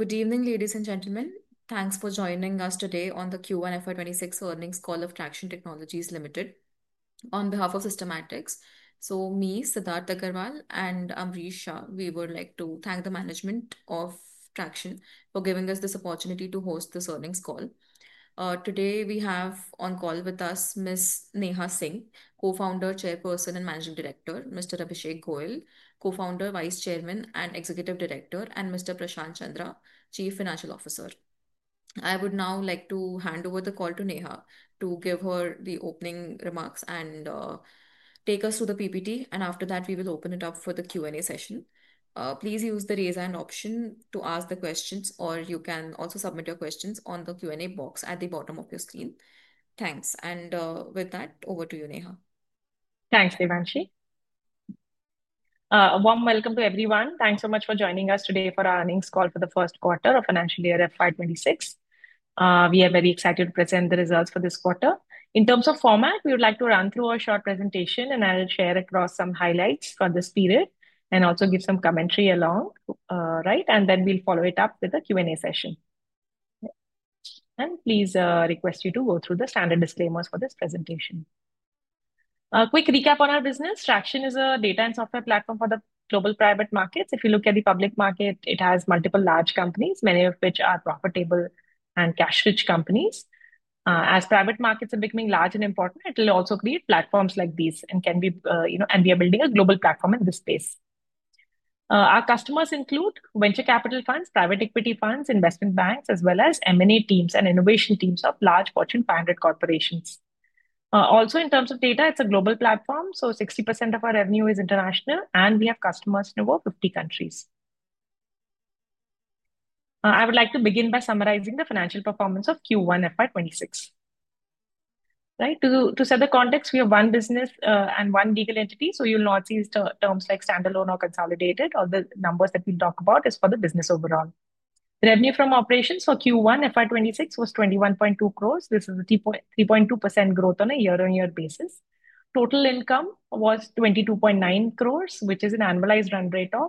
Good evening, ladies and gentlemen. Thanks for joining us today on the Q1 FY 2026 Earnings Call of Tracxn Technologies Limited. On behalf of Systematix, me, Sidharth Agrawal, and Ambrish Shah, we would like to thank the management of Tracxn for giving us this opportunity to host this earnings call. Today we have on call with us Ms. Neha Singh, Co-Founder, Chairperson, and Managing Director; Mr. Abhishek Goyal, Co-Founder, Vice Chairman, and Executive Director; and Mr. Prashant Chandra, Chief Financial Officer. I would now like to hand over the call to Neha to give her the opening remarks and take us through the PPT, and after that, we will open it up for the Q&A session. Please use the raise hand option to ask the questions, or you can also submit your questions on the Q&A box at the bottom of your screen. Thanks. With that, over to you, Neha. Thanks, Devanshi. Warm welcome to everyone. Thanks so much for joining us today for our earnings call for the first quarter of financial year FY 2026. We are very excited to present the results for this quarter. In terms of format, we would like to run through our short presentation, and I'll share across some highlights for this period and also give some commentary along, right? We'll follow it up with a Q&A session. Please, request you to go through the standard disclaimers for this presentation. A quick recap on our business. Tracxn is a data and software platform for the global private markets. If you look at the public market, it has multiple large companies, many of which are profitable and cash-rich companies. As private markets are becoming large and important, it will also create platforms like these, and can be, you know, and we are building a global platform in this space. Our customers include venture capital funds, private equity funds, investment banks, as well as M&A teams and innovation teams of large Fortune 500 corporations. Also, in terms of data, it's a global platform, so 60% of our revenue is international, and we have customers in over 50 countries. I would like to begin by summarizing the financial performance of Q1 FY 2026. Right? To set the context, we have one business and one legal entity, so you'll not see terms like standalone or consolidated, or the numbers that we talk about are for the business overall. The revenue from operations for Q1 FY 2026 was 21.2 crores. This is a 3.2% growth on a year-on-year basis. Total income was 22.9 crores, which is an annualized run rate of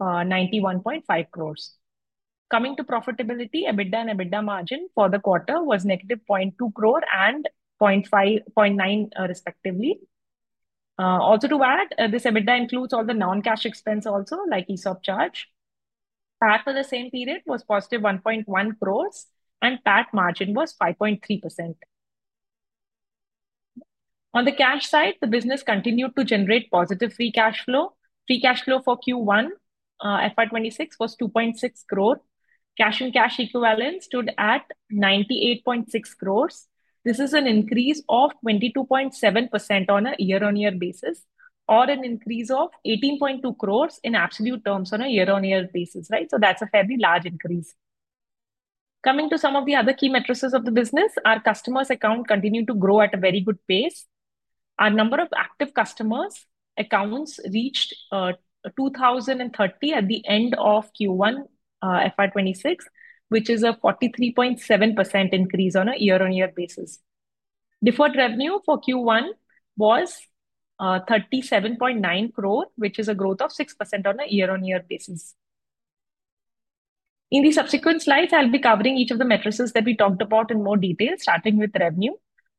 91.5 crores. Coming to profitability, EBITDA and EBITDA margin for the quarter was -0.2 crore and 0.9% respectively. Also, to add, this EBITDA includes all the non-cash expense also, like ESOP charge. PAT for the same period was +1.1 crores, and PAT margin was 5.3%. On the cash side, the business continued to generate positive free cash flow. Free cash flow for Q1 FY 2026 was 2.6 crore. Cash and cash equivalents stood at 98.6 crores. This is an increase of 22.7% on a year-on-year basis, or an increase of 18.2 crores in absolute terms on a year-on-year basis, right? That's a fairly large increase. Coming to some of the other key metrics of the business, our customers' accounts continue to grow at a very good pace. Our number of active customers' accounts reached 2,030 at the end of Q1 FY 2026, which is a 43.7% increase on a year-on-year basis. Deferred revenue for Q1 was 37.9 crore, which is a growth of 6% on a year-on-year basis. In the subsequent slides, I'll be covering each of the metrics that we talked about in more detail, starting with revenue.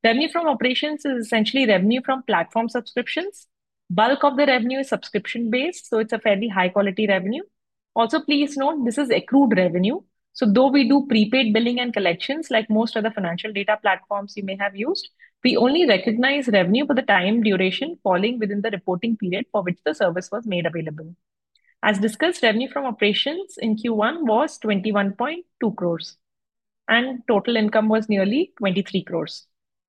Revenue from operations is essentially revenue from platform subscriptions. Bulk of the revenue is subscription-based, so it's a fairly high-quality revenue. Also, please note this is accrued revenue. Though we do prepaid billing and collections like most of the financial data platforms you may have used, we only recognize revenue for the time duration falling within the reporting period for which the service was made available. As discussed, revenue from operations in Q1 was 21.2 crores, and total income was nearly 23 crores.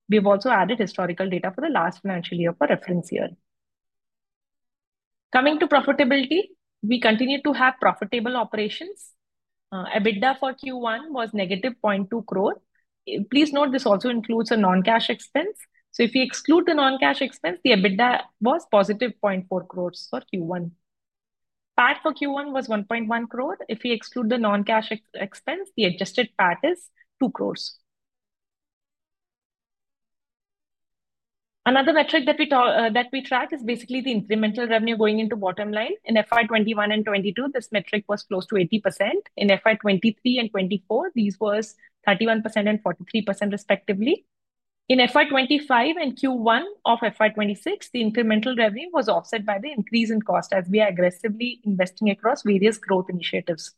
We have also added historical data for the last financial year for reference here. Coming to profitability, we continue to have profitable operations. EBITDA for Q1 was -0.2 crore. Please note this also includes a non-cash expense. If we exclude the non-cash expense, the EBITDA was +0.4 crores for Q1. PAT for Q1 was 1.1 crore. If we exclude the non-cash expense, the adjusted PAT is 2 crores. Another metric that we tracked is basically the incremental revenue going into bottom line. In FY 2021 and 2022, this metric was close to 80%. In FY 2023 and 2024, these were 31% and 43% respectively. In FY 2025 and Q1 of FY 2026, the incremental revenue was offset by the increase in cost as we are aggressively investing across various growth initiatives.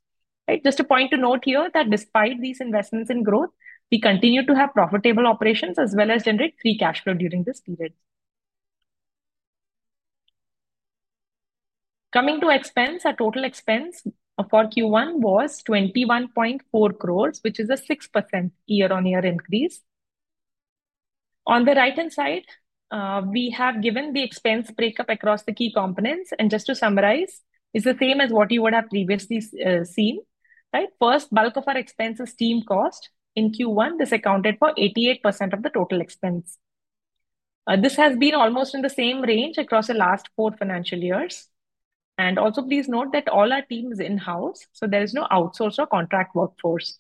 Right? Just a point to note here that despite these investments in growth, we continue to have profitable operations as well as generate free cash flow during this period. Coming to expense, our total expense for Q1 was 21.4 crore, which is a 6% year-on-year increase. On the right-hand side, we have given the expense breakup across the key components, and just to summarize, it's the same as what you would have previously seen. Right? First, bulk of our expense is team cost. In Q1, this accounted for 88% of the total expense. This has been almost in the same range across the last four financial years. Also, please note that all our team is in-house, so there is no outsourced or contracted workforce.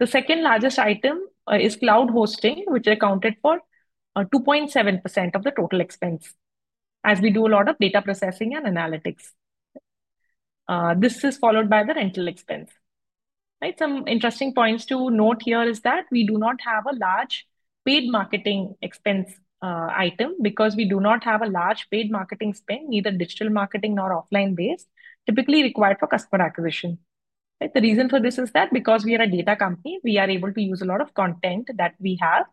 The second largest item is cloud hosting, which accounted for 2.7% of the total expense, as we do a lot of data processing and analytics. This is followed by the rental expense. Some interesting points to note here are that we do not have a large paid marketing expense item because we do not have a large paid marketing spend, neither digital marketing nor offline-based, typically required for customer acquisition. The reason for this is that because we are a data company, we are able to use a lot of content that we have,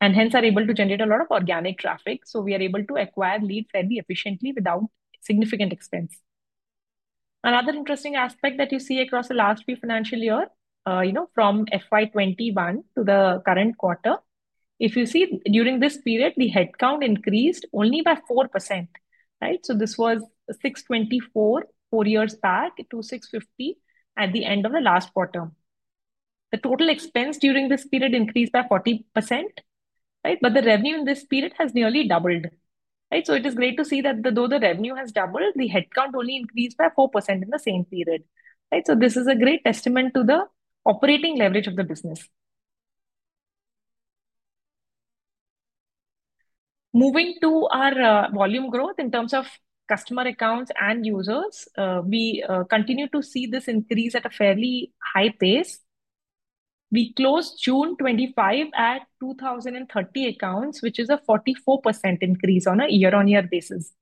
and hence are able to generate a lot of organic traffic. We are able to acquire leads, tend to be efficiently without significant expense. Another interesting aspect that you see across the last two financial years, from FY 2021 to the current quarter, if you see during this period, the headcount increased only by 4%. This was 624, four years back, to 650 at the end of the last quarter. The total expense during this period increased by 40%. The revenue in this period has nearly doubled. It is great to see that though the revenue has doubled, the headcount only increased by 4% in the same period. This is a great testament to the operating leverage of the business. Moving to our volume growth in terms of customer accounts and users, we continue to see this increase at a fairly high pace. We closed June 2025 at 2,030 accounts, which is a 44% increase on a year-on-year basis.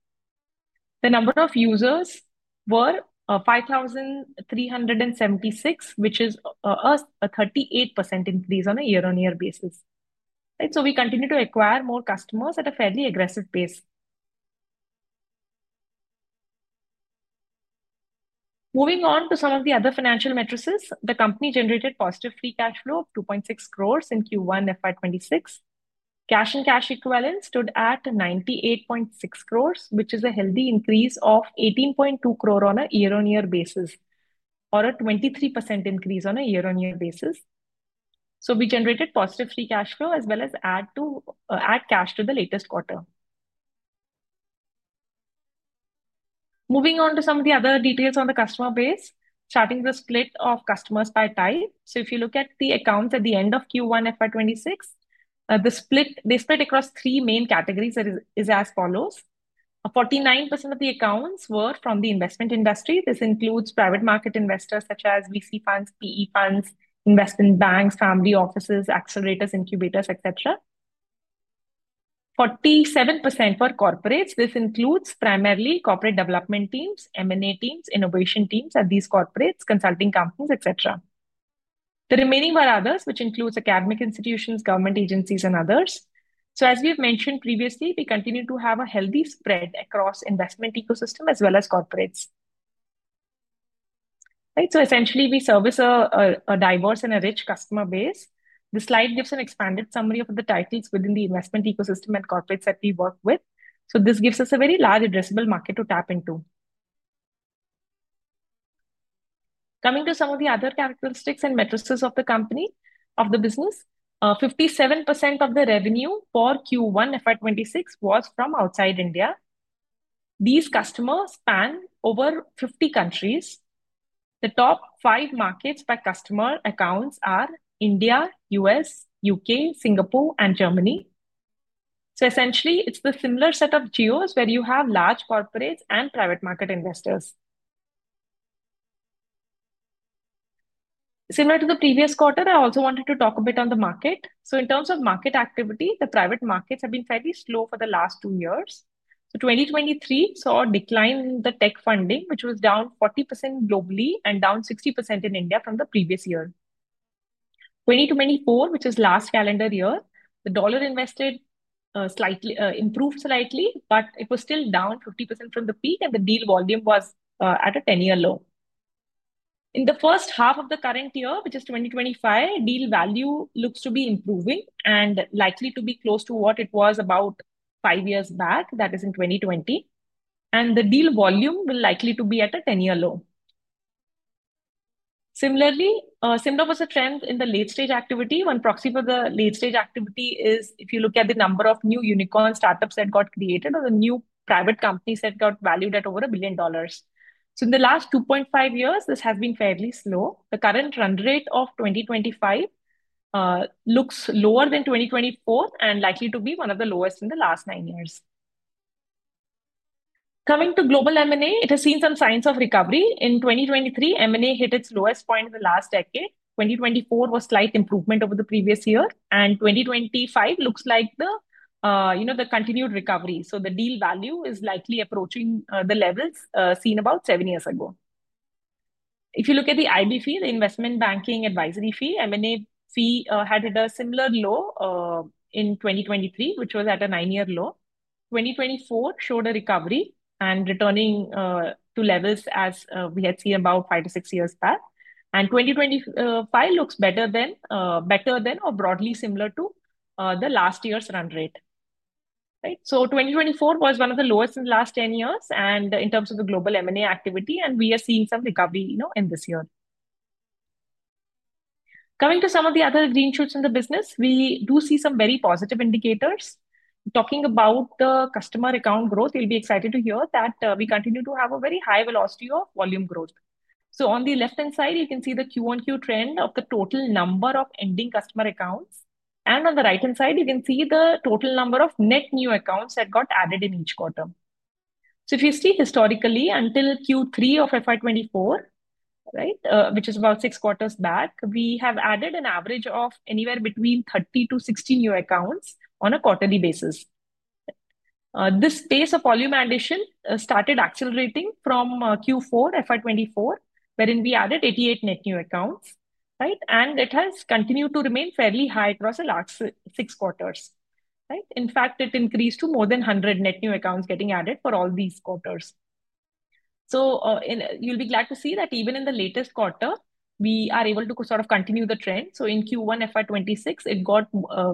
The number of users were 5,376, which is a 38% increase on a year-on-year basis. We continue to acquire more customers at a fairly aggressive pace. Moving on to some of the other financial metrics, the company generated positive free cash flow of 2.6 crosre in Q1 FY 2026. Cash and cash equivalents stood at 98.6 crores, which is a healthy increase of 18.2 crore on a year-on-year basis, or a 23% increase on a year-on-year basis. We generated positive free cash flow as well as add cash to the latest quarter. Moving on to some of the other details on the customer base, starting with the split of customers by type. If you look at the accounts at the end of Q1 FY 2026, the split across three main categories is as follows. 49% of the accounts were from the investment industry. This includes private market investors such as VC funds, PE funds, investment banks, family offices, accelerators, incubators, etc. 47% were corporates. This includes primarily corporate development teams, M&A teams, innovation teams at these corporates, consulting companies, etc. The remaining were others, which includes academic institutions, government agencies, and others. As we have mentioned previously, we continue to have a healthy spread across the investment ecosystem as well as corporates. Right? Essentially, we service a diverse and a rich customer base. The slide gives an expanded summary of the titles within the investment ecosystem and corporates that we work with. This gives us a very large, addressable market to tap into. Coming to some of the other characteristics and metrics of the company, of the business, 57% of the revenue for Q1 FY 26 was from outside India. These customers span over 50 countries. The top five markets by customer accounts are India, U.S., U.K., Singapore, and Germany. Essentially, it's the similar set of geos where you have large corporates and private market investors. Similar to the previous quarter, I also wanted to talk a bit on the market. In terms of market activity, the private markets have been fairly slow for the last two years. 2023 saw a decline in the tech funding, which was down 40% globally and down 60% in India from the previous year. 2024, which is the last calendar year, the dollar invested improved slightly, but it was still down 50% from the peak, and the deal volume was at a 10-year low. In the first half of the current year, which is 2025, deal value looks to be improving and likely to be close to what it was about five years back, that is in 2020, and the deal volume will likely be at a 10-year low. Similarly, seemed to have a trend in the late-stage activity when proxy for the late-stage activity is if you look at the number of new unicorn startups that got created or the new private companies that got valued at over a billion dollars. In the last 2.5 years, this has been fairly slow. The current run rate of 2025 looks lower than 2024 and likely to be one of the lowest in the last nine years. Coming to global M&A, it has seen some signs of recovery. In 2023, M&A hit its lowest point in the last decade. 2024 was a slight improvement over the previous year, and 2025 looks like the continued recovery. The deal value is likely approaching the levels seen about seven years ago. If you look at the IB fee, the Investment Banking Advisory Fee, M&A fee had a similar low in 2023, which was at a nine-year low. 2024 showed a recovery and returning to levels as we had seen about five to six years back. 2025 looks better than or broadly similar to last year's run rate. 2024 was one of the lowest in the last 10 years in terms of the global M&A activity, and we are seeing some recovery in this year. Coming to some of the other green shoots in the business, we do see some very positive indicators. Talking about the customer account growth, you'll be excited to hear that we continue to have a very high velocity of volume growth. On the left-hand side, you can see the Q-on-Q trend of the total number of ending customer accounts. On the right-hand side, you can see the total number of net new accounts that got added in each quarter. If you see historically, until Q3 of FY 2024, which is about six quarters back, we have added an average of anywhere between 30-60 new accounts on a quarterly basis. This pace of volume addition started accelerating from Q4 FY 2024, wherein we added 88 net new accounts, and it has continued to remain fairly high across the last six quarters. In fact, it increased to more than 100 net new accounts getting added for all these quarters. You'll be glad to see that even in the latest quarter, we are able to sort of continue the trend. In Q1 FY 2026,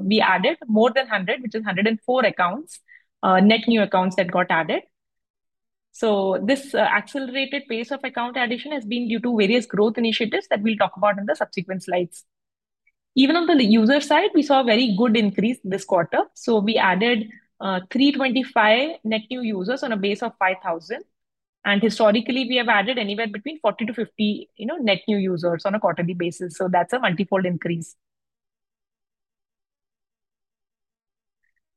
we added more than 100, which is 104 accounts, net new accounts that got added. This accelerated pace of account addition has been due to various growth initiatives that we'll talk about in the subsequent slides. Even on the user side, we saw a very good increase this quarter. We added 325 net new users on a base of 5,000. Historically, we have added anywhere between 40-50 net new users on a quarterly basis. That's a multifold increase.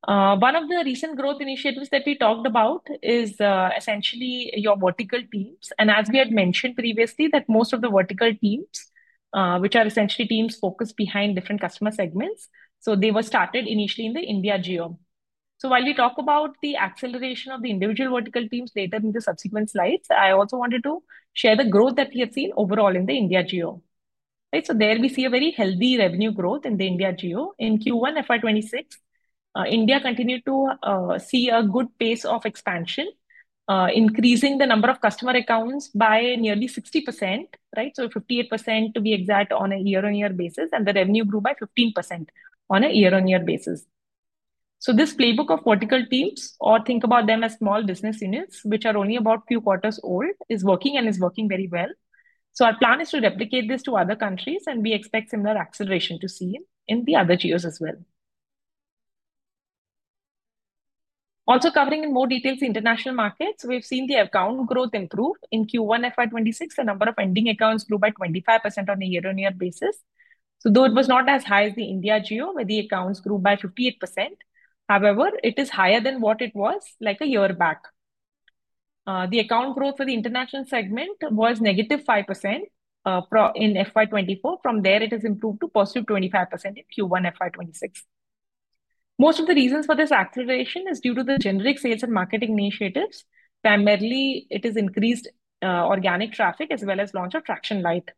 One of the recent growth initiatives that we talked about is essentially your vertical teams. As we had mentioned previously, most of the vertical teams, which are essentially teams focused behind different customer segments, were started initially in the India geo. While we talk about the acceleration of the individual vertical teams later in the subsequent slides, I also wanted to share the growth that we have seen overall in the India geo. There we see a very healthy revenue growth in the India geo. In Q1 FY 2026, India continued to see a good pace of expansion, increasing the number of customer accounts by nearly 60%, 58% to be exact on a year-on-year basis, and the revenue grew by 15% on a year-on-year basis. This playbook of vertical teams, or think about them as small business units, which are only about a few quarters old, is working and is working very well. Our plan is to replicate this to other countries, and we expect similar acceleration to see in the other geos as well. Also, covering in more detail the international markets, we've seen the account growth improve. In Q1 FY 2026, the number of ending accounts grew by 25% on a year-on-year basis. Though it was not as high as the India geo, where the accounts grew by 58%, it is higher than what it was like a year back. The account growth for the international segment was -5% in FY 2024. From there, it has improved to +25% in Q1 FY 2026. Most of the reasons for this acceleration are due to the generic sales and marketing initiatives. Primarily, it has increased organic traffic as well as the launch of Tracxn Lite.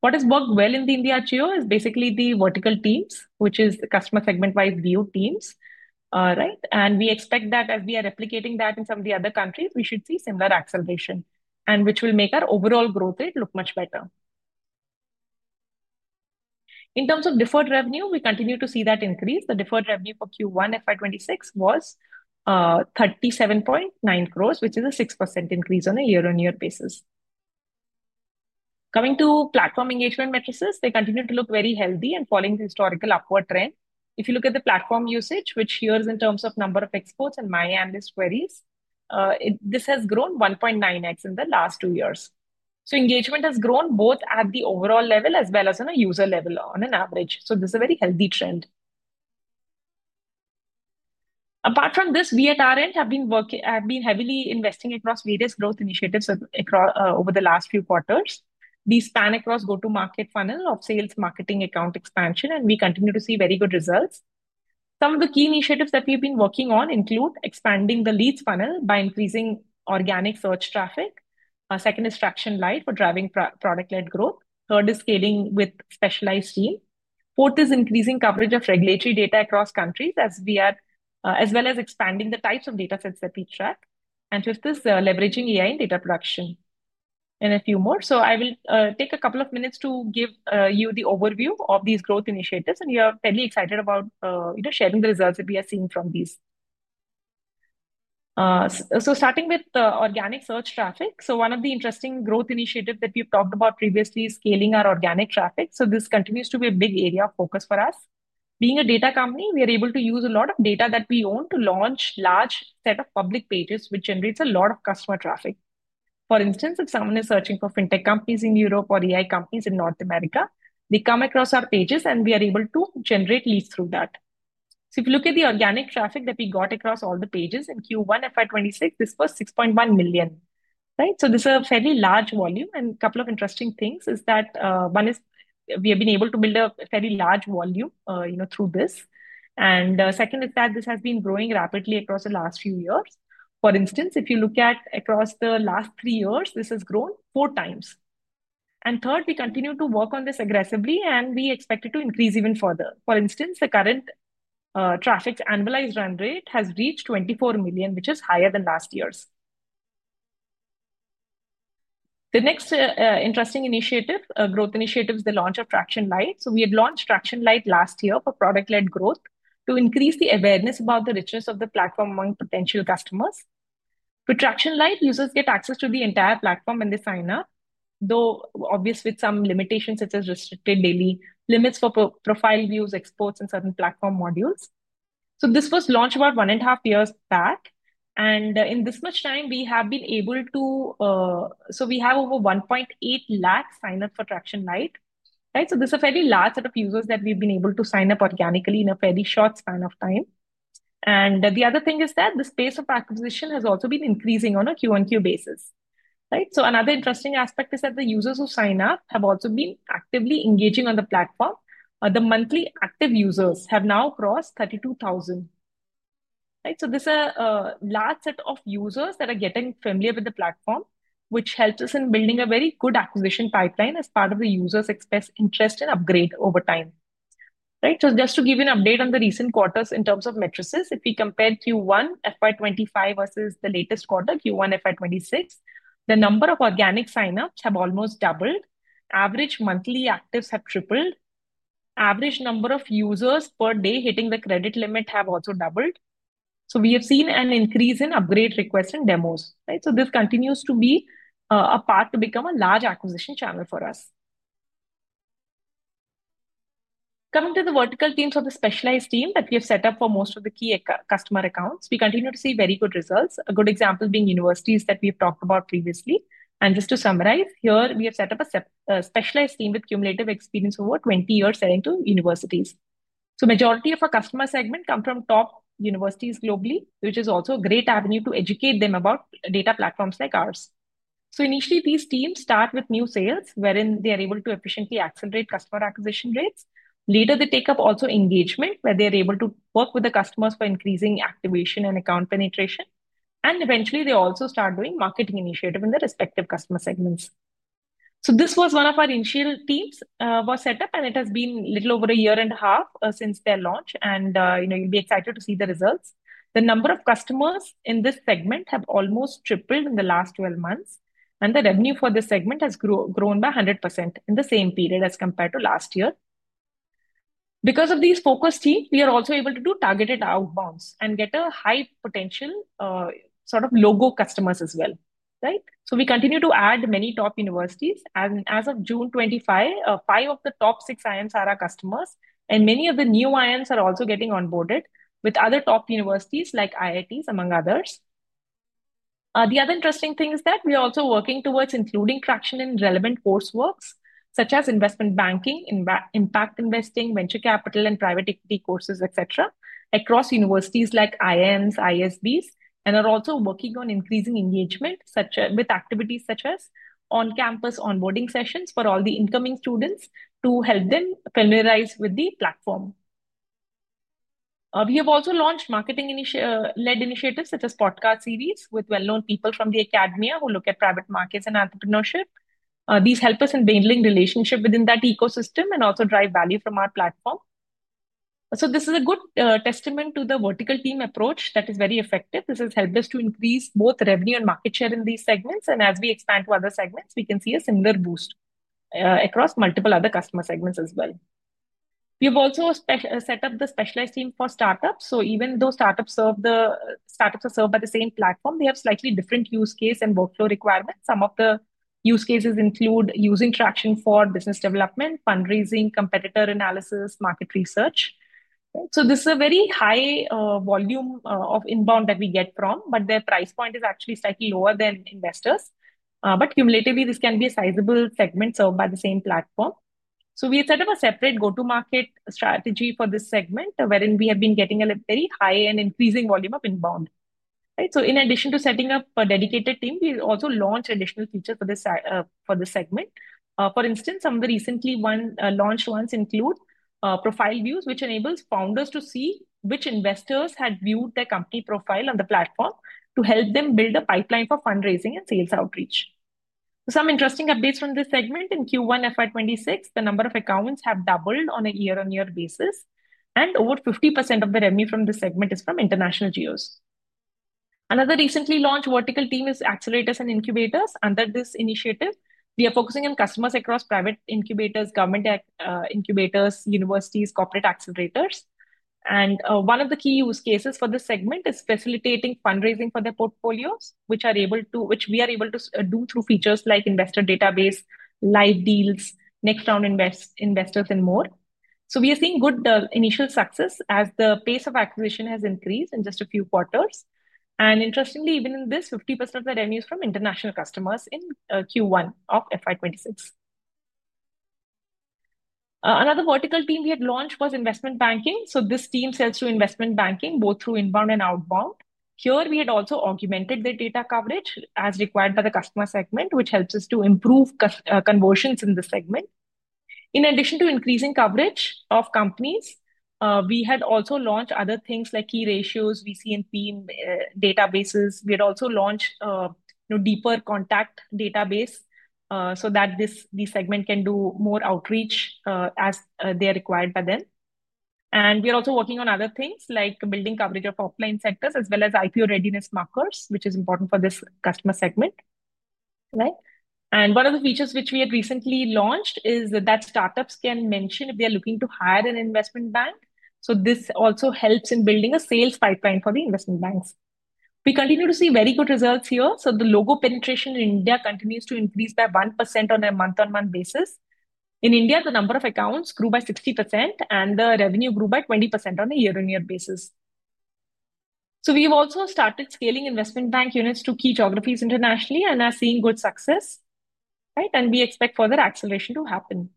What has worked well in the India geo is basically the vertical teams, which is the customer segment-wide view of teams. We expect that as we are replicating that in some of the other countries, we should see similar acceleration, which will make our overall growth rate look much better. In terms of deferred revenue, we continue to see that increase. The deferred revenue for Q1 FY 2026 was 37.9 crores, which is a 6% increase on a year-on-year basis. Coming to platform engagement metrics, they continue to look very healthy and follow the historical upward trend. If you look at the platform usage, which here is in terms of number of exports and MyAnalyst queries, this has grown 1.9x in the last two years. Engagement has grown both at the overall level as well as on a user level on average. This is a very healthy trend. Apart from this, we at our end have been heavily investing across various growth initiatives over the last few quarters. These span across the go-to-market funnel of sales, marketing, account expansion, and we continue to see very good results. Some of the key initiatives that we have been working on include expanding the leads funnel by increasing organic search traffic. Second is Tracxn Lite for driving product-led growth. Third is scaling with specialized teams. Fourth is increasing coverage of regulatory data across countries as well as expanding the types of data sets that we track. Fifth is leveraging AI in data production. And a few more. I will take a couple of minutes to give you the overview of these growth initiatives, and we are fairly excited about sharing the results that we are seeing from these. Starting with organic search traffic, one of the interesting growth initiatives that we've talked about previously is scaling our organic traffic. This continues to be a big area of focus for us. Being a data company, we are able to use a lot of data that we own to launch a large set of public pages, which generates a lot of customer traffic. For instance, if someone is searching for fintech companies in Europe or AI companies in North America, they come across our pages, and we are able to generate leads through that. If you look at the organic traffic that we got across all the pages in Q1 FY 2026, this was 6.1 million. This is a fairly large volume, and a couple of interesting things is that one is we have been able to build a very large volume through this. Second is that this has been growing rapidly across the last few years. For instance, if you look at across the last three years, this has grown 4x. Third, we continue to work on this aggressively, and we expect it to increase even further. For instance, the current traffic's annualized run rate has reached 24 million, which is higher than last year's. The next interesting initiative, growth initiatives, is the launch of Tracxn Lite. We had launched Tracxn Lite last year for product-led growth to increase the awareness about the richness of the platform among potential customers. With Tracxn Lite, users get access to the entire platform when they sign up, though obvious with some limitations such as restricted daily limits for profile views, exports, and certain platform modules. This was launched about one and a half years back, and in this much time, we have been able to, we have over 1.8 lakh signups for Tracxn Lite. This is a fairly large set of users that we've been able to sign up organically in a very short span of time. The other thing is that the space of acquisition has also been increasing on a Q-on-Q basis. Another interesting aspect is that the users who sign up have also been actively engaging on the platform. The monthly active users have now crossed 32,000. This is a large set of users that are getting familiar with the platform, which helps us in building a very good acquisition pipeline as part of the users' expressed interest in upgrade over time. Right? Just to give you an update on the recent quarters in terms of metrics, if we compare Q1 FY 2025 versus the latest quarter, Q1 FY 2026, the number of organic signups has almost doubled. Average monthly actives have tripled. Average number of users per day hitting the credit limit has also doubled. We have seen an increase in upgrade requests and demos. Right? This continues to be a path to become a large acquisition channel for us. Coming to the vertical teams of the specialized team that we have set up for most of the key customer accounts, we continue to see very good results. A good example being universities that we've talked about previously. Just to summarize, here we have set up a specialized team with cumulative experience of over 20 years selling to universities. The majority of our customer segment comes from top universities globally, which is also a great avenue to educate them about data platforms like ours. Initially, these teams start with new sales, wherein they are able to efficiently accelerate customer acquisition rates. Later, they take up also engagement, where they are able to work with the customers for increasing activation and account penetration. Eventually, they also start doing marketing initiatives in their respective customer segments. This was one of our initial teams that was set up, and it has been a little over a year and a half since their launch. You'll be excited to see the results. The number of customers in this segment has almost tripled in the last 12 months, and the revenue for this segment has grown by 100% in the same period as compared to last year. Because of these focused teams, we are also able to do targeted outbounds and get a high potential sort of logo customers as well. Right? We continue to add many top universities. As of June 25, five of the top six IIMs are our customers, and many of the new IIMs are also getting onboarded with other top universities like IITs, among others. The other interesting thing is that we are also working towards including Tracxn in relevant courseworks such as investment banking, impact investing, venture capital, and private equity courses, etc., across universities like IIMs, ISBs, and are also working on increasing engagement with activities such as on-campus onboarding sessions for all the incoming students to help them familiarize with the platform. We have also launched marketing-led initiatives such as podcast series with well-known people from the academia who look at private markets and entrepreneurship. These help us in binding relationships within that ecosystem and also drive value from our platform. This is a good testament to the vertical team approach that is very effective. This has helped us to increase both revenue and market share in these segments. As we expand to other segments, we can see a similar boost across multiple other customer segments as well. We have also set up the specialized team for startups. Even though startups are served by the same platform, they have slightly different use case and workflow requirements. Some of the use cases include using Tracxn for business development, fundraising, competitor analysis, market research. This is a very high volume of inbound that we get from, but their price point is actually slightly lower than investors. Cumulatively, this can be a sizable segment served by the same platform. We have set up a separate go-to-market strategy for this segment, wherein we have been getting a very high and increasing volume of inbound. In addition to setting up a dedicated team, we also launched additional features for this segment. For instance, some of the recently launched ones include profile views, which enable founders to see which investors have viewed their company profile on the platform to help them build a pipeline for fundraising and sales outreach. Some interesting updates from this segment in Q1 FY 2026, the number of accounts has doubled on a year-on-year basis, and over 50% of the revenue from this segment is from international geos. Another recently launched vertical team is accelerators and incubators. Under this initiative, we are focusing on customers across private incubators, government incubators, universities, corporate accelerators. One of the key use cases for this segment is facilitating fundraising for their portfolios, which we are able to do through features like investor database, live deals, next round investors, and more. We are seeing good initial success as the pace of acquisition has increased in just a few quarters. Interestingly, even in this, 50% of the revenue is from international customers in Q1 of FY 2026. Another vertical team we had launched was investment banking. This team sells through investment banking both through inbound and outbound. We had also augmented the data coverage as required by the customer segment, which helps us to improve conversions in this segment. In addition to increasing coverage of companies, we had also launched other things like key ratios, VCMP databases. We had also launched a deeper contact database so that this segment can do more outreach as required by them. We are also working on other things like building coverage of offline sectors as well as IPO readiness markers, which is important for this customer segment. One of the features which we had recently launched is that startups can mention if they are looking to hire an investment bank. This also helps in building a sales pipeline for the investment banks. We continue to see very good results here. The logo penetration in India continues to increase by 1% on a month-on-month basis. In India, the number of accounts grew by 60%, and the revenue grew by 20% on a year-on-year basis. We have also started scaling investment bank units to key geographies internationally and are seeing good success. We expect further acceleration to happen.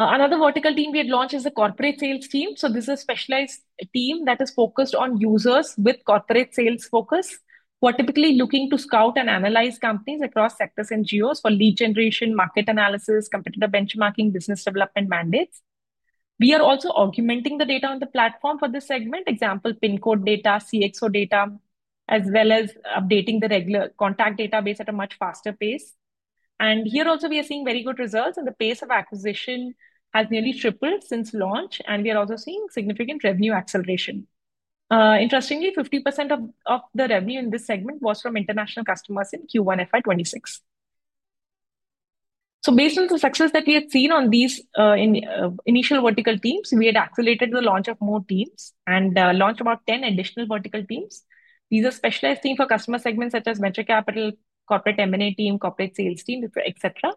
Another vertical team we had launched is the corporate sales team. This is a specialized team that is focused on users with corporate sales focus, who are typically looking to scout and analyze companies across sectors and geos for lead generation, market analysis, competitor benchmarking, and business development mandates. We are also augmenting the data on the platform for this segment, for example PIN code data, CXO data, as well as updating the regular contact database at a much faster pace. Here also, we are seeing very good results, and the pace of acquisition has nearly tripled since launch, and we are also seeing significant revenue acceleration. Interestingly, 50% of the revenue in this segment was from international customers in Q1 FY 2026. Based on the success that we had seen on these initial vertical teams, we had accelerated the launch of more teams and launched about 10 additional vertical teams. These are specialized teams for customer segments such as venture capital, corporate M&A teams, corporate sales teams, etc.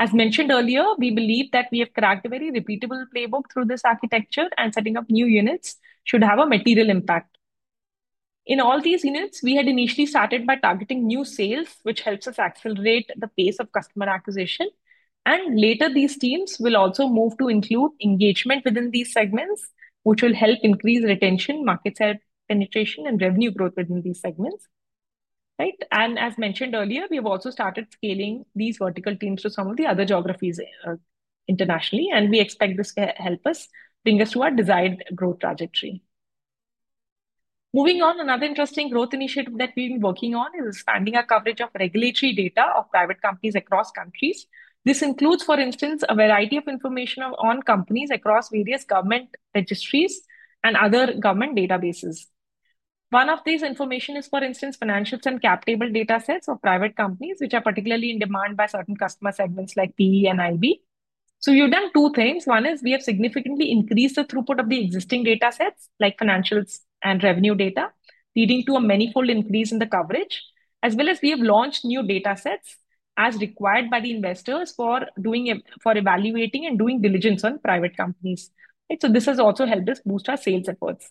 As mentioned earlier, we believe that we have cracked a very repeatable playbook through this architecture, and setting up new units should have a material impact. In all these units, we had initially started by targeting new sales, which helps us accelerate the pace of customer acquisition. Later, these teams will also move to include engagement within these segments, which will help increase retention, market penetration, and revenue growth within these segments. As mentioned earlier, we have also started scaling these vertical teams to some of the other geographies internationally, and we expect this to help bring us to our desired growth trajectory. Moving on, another interesting growth initiative that we've been working on is expanding our coverage of regulatory data of private companies across countries. This includes, for instance, a variety of information on companies across various government registries and other government databases. One of this information is, for instance, financials and cap tables data sets of private companies, which are particularly in demand by certain customer segments like private equity and investment banking. We have done two things. One is we have significantly increased the throughput of the existing data sets, like financials and revenue data, leading to a manifold increase in the coverage, as well as we have launched new data sets as required by the investors for evaluating and doing diligence on private companies. This has also helped us boost our sales efforts.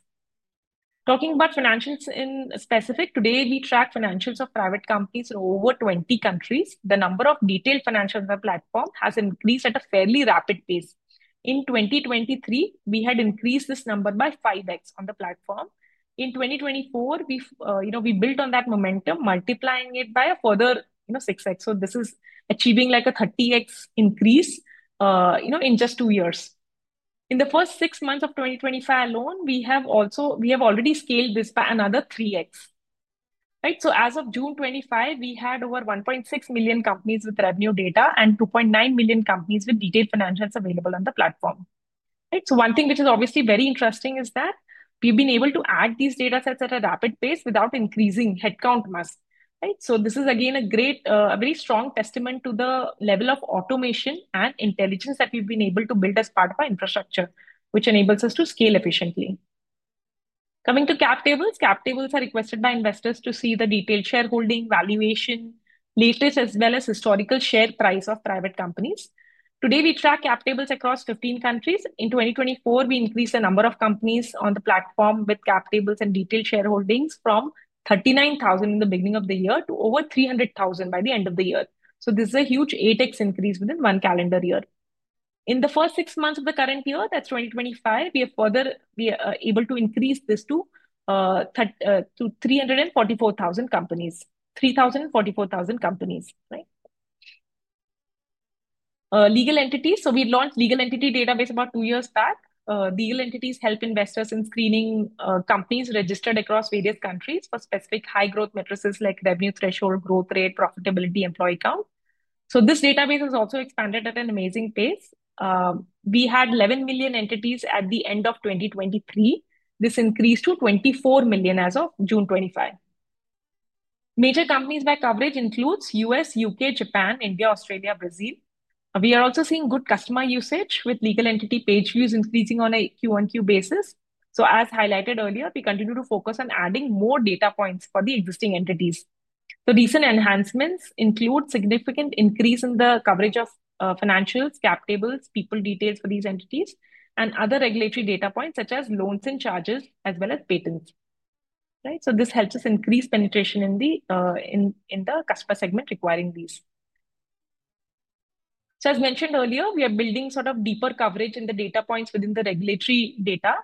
Talking about financials in specific, today we track financials of private companies in over 20 countries. The number of detailed financials on the platform has increased at a fairly rapid pace. In 2023, we had increased this number by 5x on the platform. In 2024, we built on that momentum, multiplying it by a further 6x. This is achieving like a 30x increase in just two years. In the first six months of 2025 alone, we have already scaled this by another 3x. As of June 2025, we had over 1.6 million companies with revenue data and 2.9 million companies with detailed financials available on the platform. One thing which is obviously very interesting is that we've been able to add these data sets at a rapid pace without increasing headcount mass. This is, again, a great, very strong testament to the level of automation and intelligence that we've been able to build as part of our infrastructure, which enables us to scale efficiently. Coming to cap tables, cap tables are requested by investors to see the detailed shareholding valuation, latest as well as historical share price of private companies. Today, we track cap tables across 15 countries. In 2024, we increased the number of companies on the platform with cap tables and detailed shareholdings from 39,000 in the beginning of the year to over 300,000 by the end of the year. This is a huge 8x increase within one calendar year. In the first six months of the current year, that's 2025, we are further able to increase this to 344,000 companies. Legal entities, we launched a legal entity database about two years back. Legal entities help investors in screening companies registered across various countries for specific high-growth metrics like revenue threshold, growth rate, profitability, and employee count. This database has also expanded at an amazing pace. We had 11 million entities at the end of 2023. This increased to 24 million as of June 2025. Major companies by coverage include U.S., U.K., Japan, India, Australia, and Brazil. We are also seeing good customer usage with legal entity page views increasing on a Q-on-Q basis. As highlighted earlier, we continue to focus on adding more data points for the existing entities. The recent enhancements include a significant increase in the coverage of financials, cap tables, people details for these entities, and other regulatory data points such as loans and charges, as well as patents. This helps us increase penetration in the customer segment requiring these. As mentioned earlier, we are building sort of deeper coverage in the data points within the regulatory data.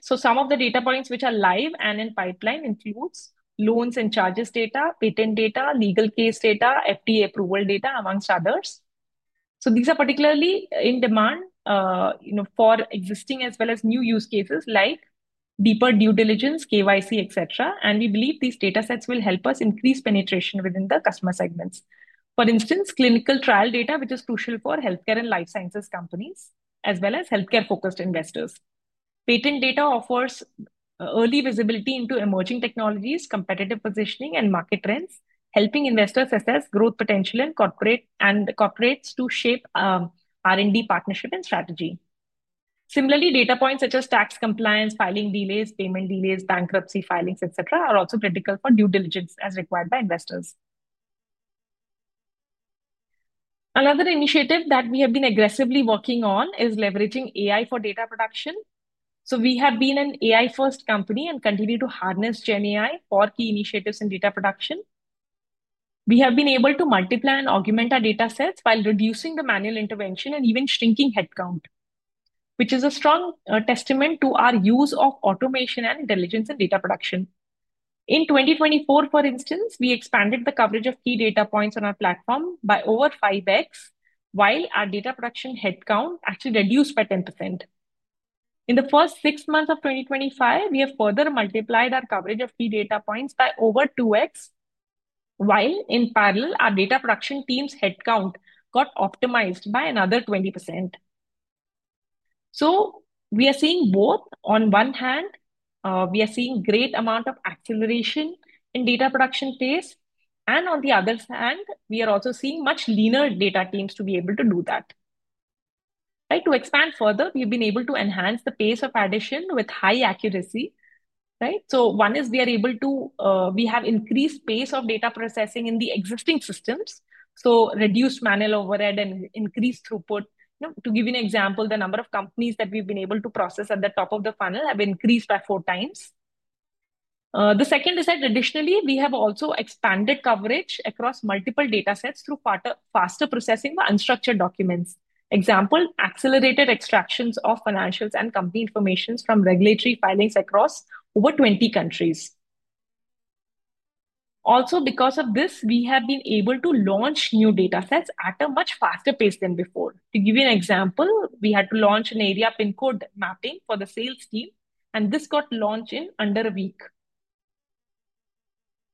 Some of the data points which are live and in pipeline include loans and charges data, patent data, legal case data, FDA approval data, amongst others. These are particularly in demand for existing as well as new use cases like deeper due diligence, KYC, etc. We believe these data sets will help us increase penetration within the customer segments. For instance, clinical trial data, which is crucial for healthcare and life sciences companies, as well as healthcare-focused investors. Patent data offers early visibility into emerging technologies, competitive positioning, and market trends, helping investors assess growth potential in corporates to shape R&D partnerships and strategy. Similarly, data points such as tax compliance, filing delays, payment delays, bankruptcy filings, etc., are also critical for due diligence as required by investors. Another initiative that we have been aggressively working on is leveraging AI for data production. We have been an AI-first company and continue to harness GenAI for key initiatives in data production. We have been able to multiply and augment our data sets while reducing the manual intervention and even shrinking headcount, which is a strong testament to our use of automation and intelligence in data production. In 2024, for instance, we expanded the coverage of key data points on our platform by over 5x, while our data production headcount actually reduced by 10%. In the first six months of 2025, we have further multiplied our coverage of key data points by over 2x, while in parallel, our data production team's headcount got optimized by another 20%. We are seeing both. On one hand, we are seeing a great amount of acceleration in data production pace, and on the other hand, we are also seeing much leaner data teams to be able to do that. Right? To expand further, we've been able to enhance the pace of addition with high accuracy. Right? One is we are able to, we have increased the pace of data processing in the existing systems, so reduced manual overhead and increased throughput. To give you an example, the number of companies that we've been able to process at the top of the funnel has increased by 4x. The second is that additionally, we have also expanded coverage across multiple data sets through faster processing of unstructured documents. Example, accelerated extractions of financials and company information from regulatory filings across over 20 countries. Also, because of this, we have been able to launch new data sets at a much faster pace than before. To give you an example, we had to launch an area PIN code mapping for the sales team, and this got launched in under a week.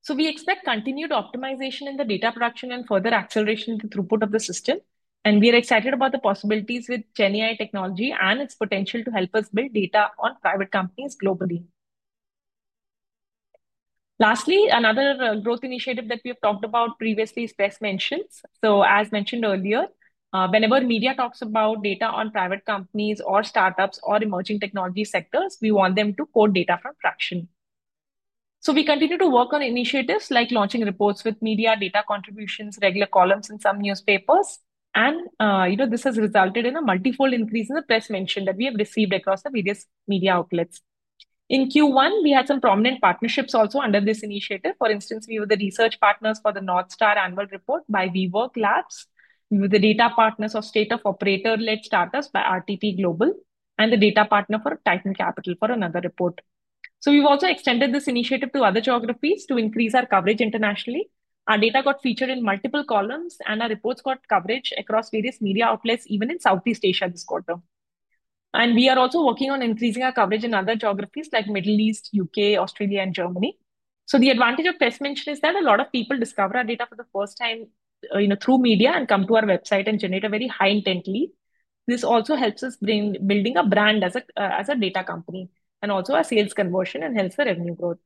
We expect continued optimization in the data production and further acceleration in the throughput of the system, and we are excited about the possibilities with GenAI technology and its potential to help us build data on private companies globally. Lastly, another growth initiative that we have talked about previously is press mentions. As mentioned earlier, whenever media talks about data on private companies or startups or emerging technology sectors, we want them to quote data from Tracxn. We continue to work on initiatives like launching reports with media, data contributions, regular columns, and some newspapers. This has resulted in a multifold increase in the press mention that we have received across the various media outlets. In Q1, we had some prominent partnerships also under this initiative. For instance, we were the research partners for the North Star Annual Report by WeWork Labs. We were the data partners for state of operator-led startups by RTP Global, and the data partner for Titan Capital for another report. We have also extended this initiative to other geographies to increase our coverage internationally. Our data got featured in multiple columns, and our reports got coverage across various media outlets, even in Southeast Asia this quarter. We are also working on increasing our coverage in other geographies like the Middle East, U.K., Australia, and Germany. The advantage of press mention is that a lot of people discover our data for the first time through media and come to our website and generate a very high intent lead. This also helps us in building a brand as a data company and also a sales conversion and helps the revenue growth.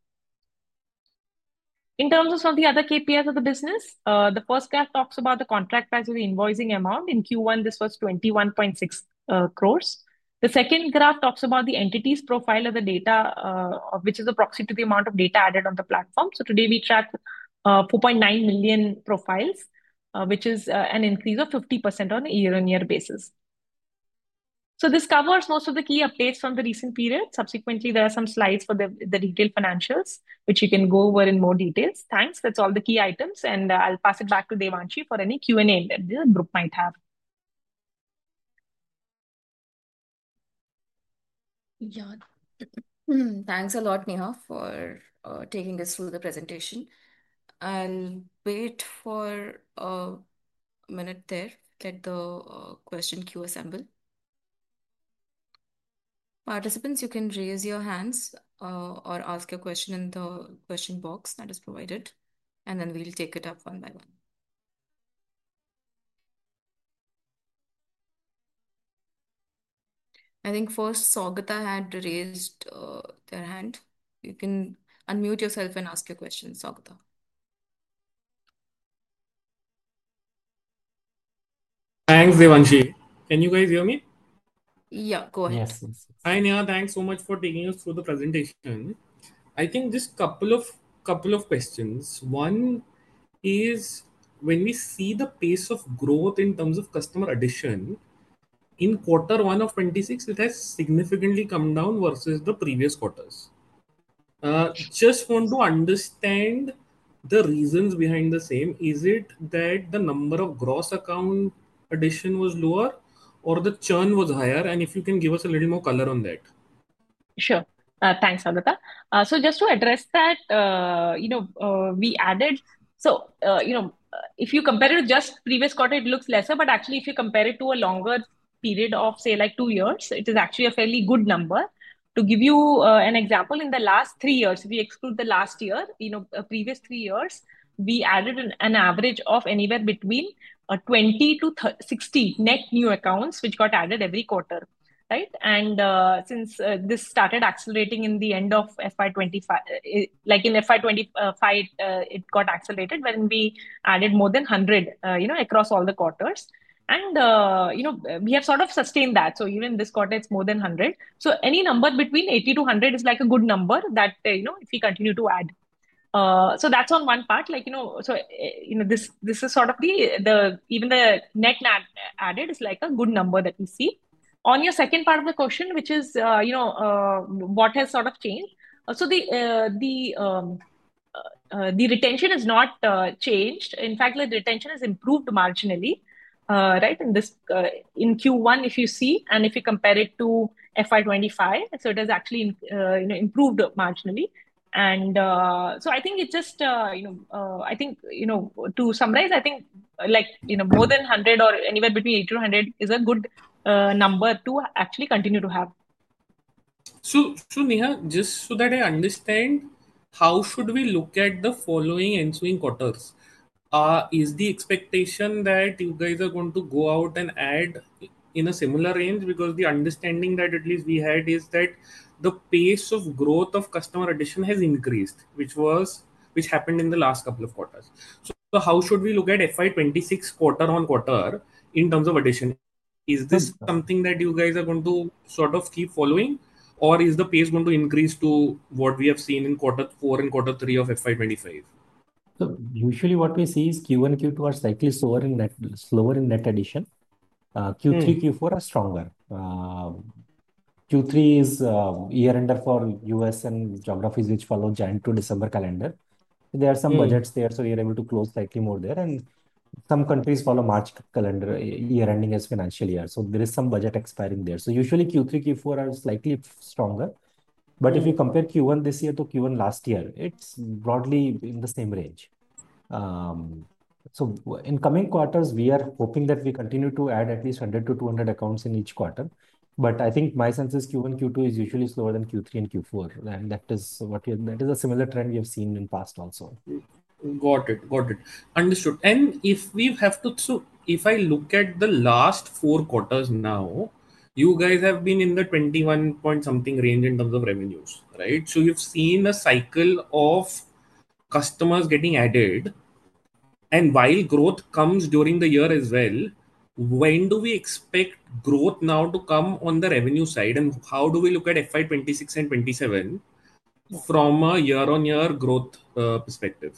In terms of some of the other KPIs of the business, the first graph talks about the contract price of the invoicing amount. In Q1, this was 21.6 crores. The second graph talks about the entities profile of the data, which is a proxy to the amount of data added on the platform. Today we track 4.9 million profiles, which is an increase of 50% on a year-on-year basis. This covers most of the key updates from the recent period. Subsequently, there are some slides for the detailed financials, which you can go over in more details. Thanks. That's all the key items, and I'll pass it back to Devanshi for any Q&A that the group might have. Yeah. Thanks a lot, Neha, for taking us through the presentation. Wait for a minute there. Let the question queue assemble. Participants, you can raise your hands or ask a question in the question box that is provided, and we'll take it up one by one. I think first, Sougata had raised her hand. You can unmute yourself and ask your question, Sougata. Thanks, Devanshi. Can you guys hear me? Yeah, go ahead. Yes. Hi, Neha. Thanks so much for taking us through the presentation. I think just a couple of questions. One is when we see the pace of growth in terms of customer addition, in quarter one of 2026, it has significantly come down versus the previous quarters. I just want to understand the reasons behind the same. Is it that the number of gross account addition was lower or the churn was higher? If you can give us a little more color on that. Sure. Thanks, Sougata. Just to address that, we added, if you compare it to just the previous quarter, it looks lesser, but actually, if you compare it to a longer period of, say, like two years, it is actually a fairly good number. To give you an example, in the last three years, if we exclude the last year, the previous three years, we added an average of anywhere between 20-60 net new accounts, which got added every quarter. Right? Since this started accelerating in the end of FY 2025, like in FY 2025, it got accelerated when we added more than 100 across all the quarters. We have sort of sustained that. Even this quarter, it's more than 100. Any number between 80-100 is like a good number that, if we continue to add. That's on one part, this is sort of the, even the net added is like a good number that we see. On your second part of the question, which is what has sort of changed, the retention has not changed. In fact, the retention has improved marginally, right, in Q1, if you see, and if you compare it to FY 2025, it has actually improved marginally. I think, to summarize, more than 100 or anywhere between 80-100 is a good number to actually continue to have. Neha, just so that I understand, how should we look at the following ensuing quarters? Is the expectation that you guys are going to go out and add in a similar range? The understanding that at least we had is that the pace of growth of customer addition has increased, which happened in the last couple of quarters. How should we look at FY 2026 quarter on quarter in terms of addition? Is this something that you guys are going to sort of keep following, or is the pace going to increase to what we have seen in quarter four and quarter three of FY 2025? Usually, what we see is Q1 and Q2 are slightly slower in that addition. Q3 and Q4 are stronger. Q3 is year-ender for U.S. and geographies which follow January to December calendar. There are some budgets there, so we are able to close slightly more there. Some countries follow March calendar, year-ending as financial year. There is some budget expiring there. Usually, Q3 and Q4 are slightly stronger. If you compare Q1 this year to Q1 last year, it's broadly in the same range. In coming quarters, we are hoping that we continue to add at least 100-200 accounts in each quarter. I think my sense is Q1 and Q2 are usually slower than Q3 and Q4. That is a similar trend we have seen in the past also. Got it. Understood. If I look at the last four quarters now, you guys have been in the 21 point something range in terms of revenues, right? You've seen a cycle of customers getting added. While growth comes during the year as well, when do we expect growth now to come on the revenue side? How do we look at FY 2026 and 2027 from a year-on-year growth perspective?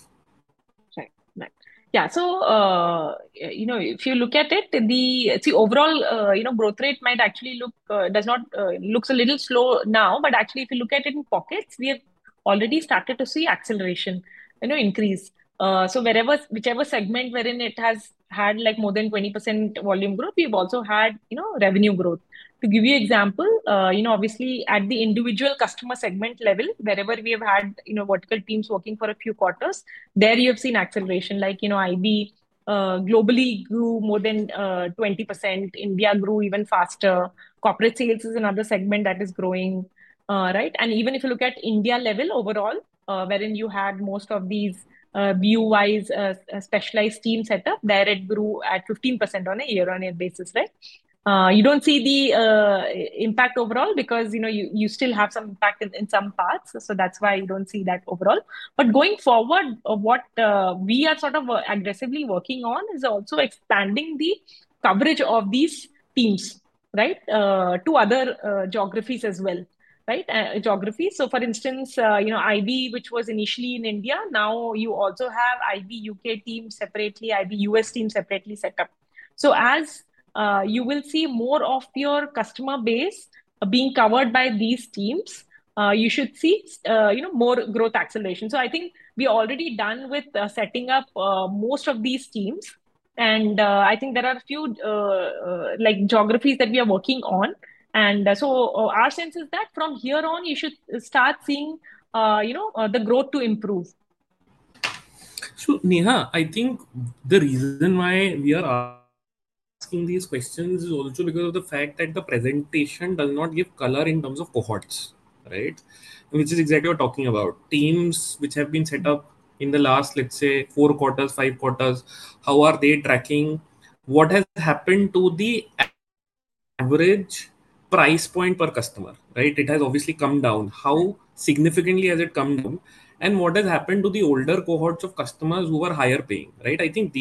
Right. Yeah. If you look at it, the overall growth rate might actually look a little slow now, but if you look at it in pockets, we have already started to see acceleration, increase. Whichever segment wherein it has had more than 20% volume growth, we've also had revenue growth. To give you an example, obviously, at the individual customer segment level, wherever we have had vertical teams working for a few quarters, there you have seen acceleration. IB globally grew more than 20%. India grew even faster. Corporate sales is another segment that is growing. Even if you look at India level overall, wherein you had most of these [view wise] specialized team setup, there it grew at 15% on a year-on-year basis. You don't see the impact overall because you still have some impact in some parts. That's why you don't see that overall. Going forward, what we are sort of aggressively working on is also expanding the coverage of these teams to other geographies as well. For instance, IB, which was initially in India, now you also have IB U.K. teams separately, IB U.S. teams separately set up. As you will see more of your customer base being covered by these teams, you should see more growth acceleration. I think we are already done with setting up most of these teams. I think there are a few geographies that we are working on. Our sense is that from here on, you should start seeing the growth to improve. Neha, I think the reason why we are asking these questions is also because of the fact that the presentation does not give color in terms of cohorts, which is exactly what we're talking about. Teams which have been set up in the last, let's say, four quarters or five quarters, how are they tracking? What has happened to the average price point per customer? It has obviously come down. How significantly has it come down? What has happened to the older cohorts of customers who are higher paying? I think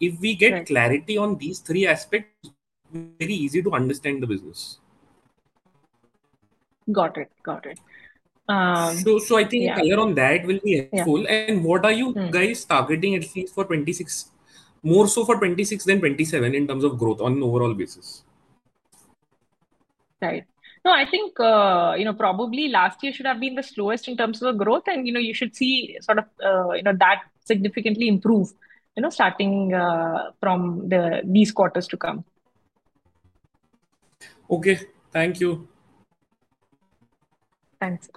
if we get clarity on these three aspects, it's very easy to understand the business. Got it. Got it. I think clear on that will be helpful. What are you guys targeting at least for 2026? More so for 2026 than 2027 in terms of growth on an overall basis. Right. I think probably last year should have been the slowest in terms of growth, and you should see that significantly improve starting from these quarters to come. Okay, thank you. Thanks.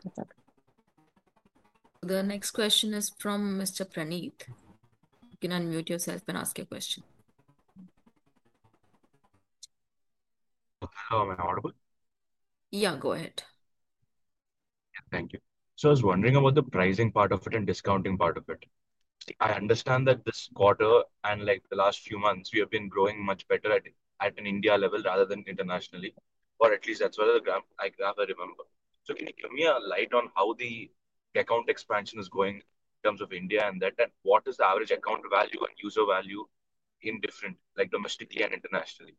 The next question is from Mr. Praneeth. You can unmute yourself and ask your question. Am I audible? Yeah, go ahead. Thank you. I was wondering about the pricing part of it and discounting part of it. I understand that this quarter, like the last few months, we have been growing much better at an India level rather than internationally, or at least that's what I grab, I remember. Can you give me a light on how the account expansion is going in terms of India and that, and what is the average account value and user value in different, like domestically and internationally?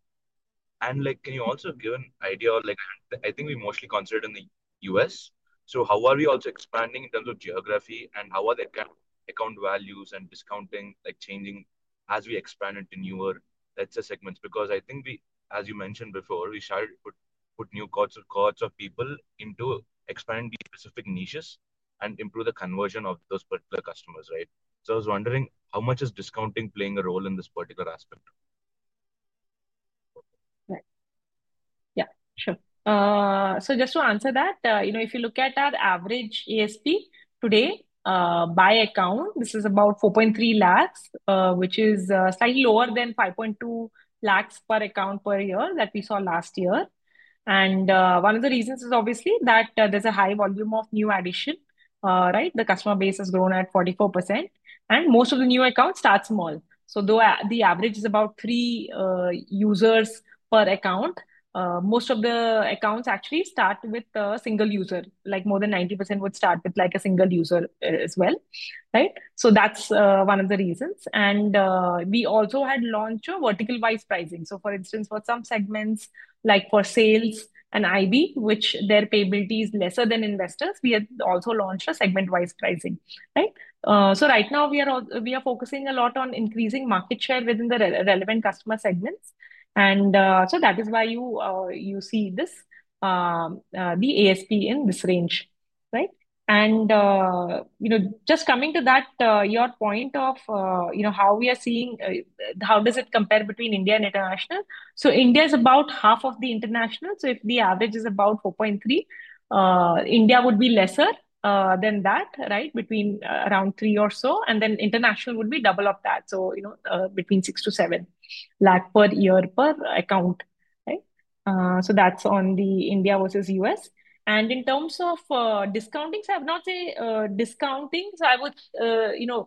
Can you also give an idea of, like, I think we mostly consider it in the U.S. How are we also expanding in terms of geography and how are the account values and discounting like changing as we expand into newer, let's say, segments? I think we, as you mentioned before, we shy to put new cohorts of people into expanding specific niches and improve the conversion of those particular customers, right? I was wondering, how much is discounting playing a role in this particular aspect? Right. Yeah, sure. Just to answer that, if you look at our average ASP today by account, this is about 4.3 lakhs, which is slightly lower than 5.2 lakhs per account per year that we saw last year. One of the reasons is obviously that there's a high volume of new addition. The customer base has grown at 44%, and most of the new accounts start small. Though the average is about three users per account, most of the accounts actually start with a single user. More than 90% would start with a single user as well. That's one of the reasons. We also had launched a vertical-wise pricing. For instance, for some segments, like for sales and IB, where their payability is lesser than investors, we had also launched a segment-wise pricing. Right now, we are focusing a lot on increasing market share within the relevant customer segments. That is why you see the ASP in this range. Just coming to your point of how we are seeing, how does it compare between India and international, India is about half of the international. The average is about 4.3 lakhs. India would be lesser than that, between around 3 lakhs or so, and then international would be double of that, between 6 lakhs-7 lakhs per year per account. That's on the India versus U.S. In terms of discounting, I would not say discounting.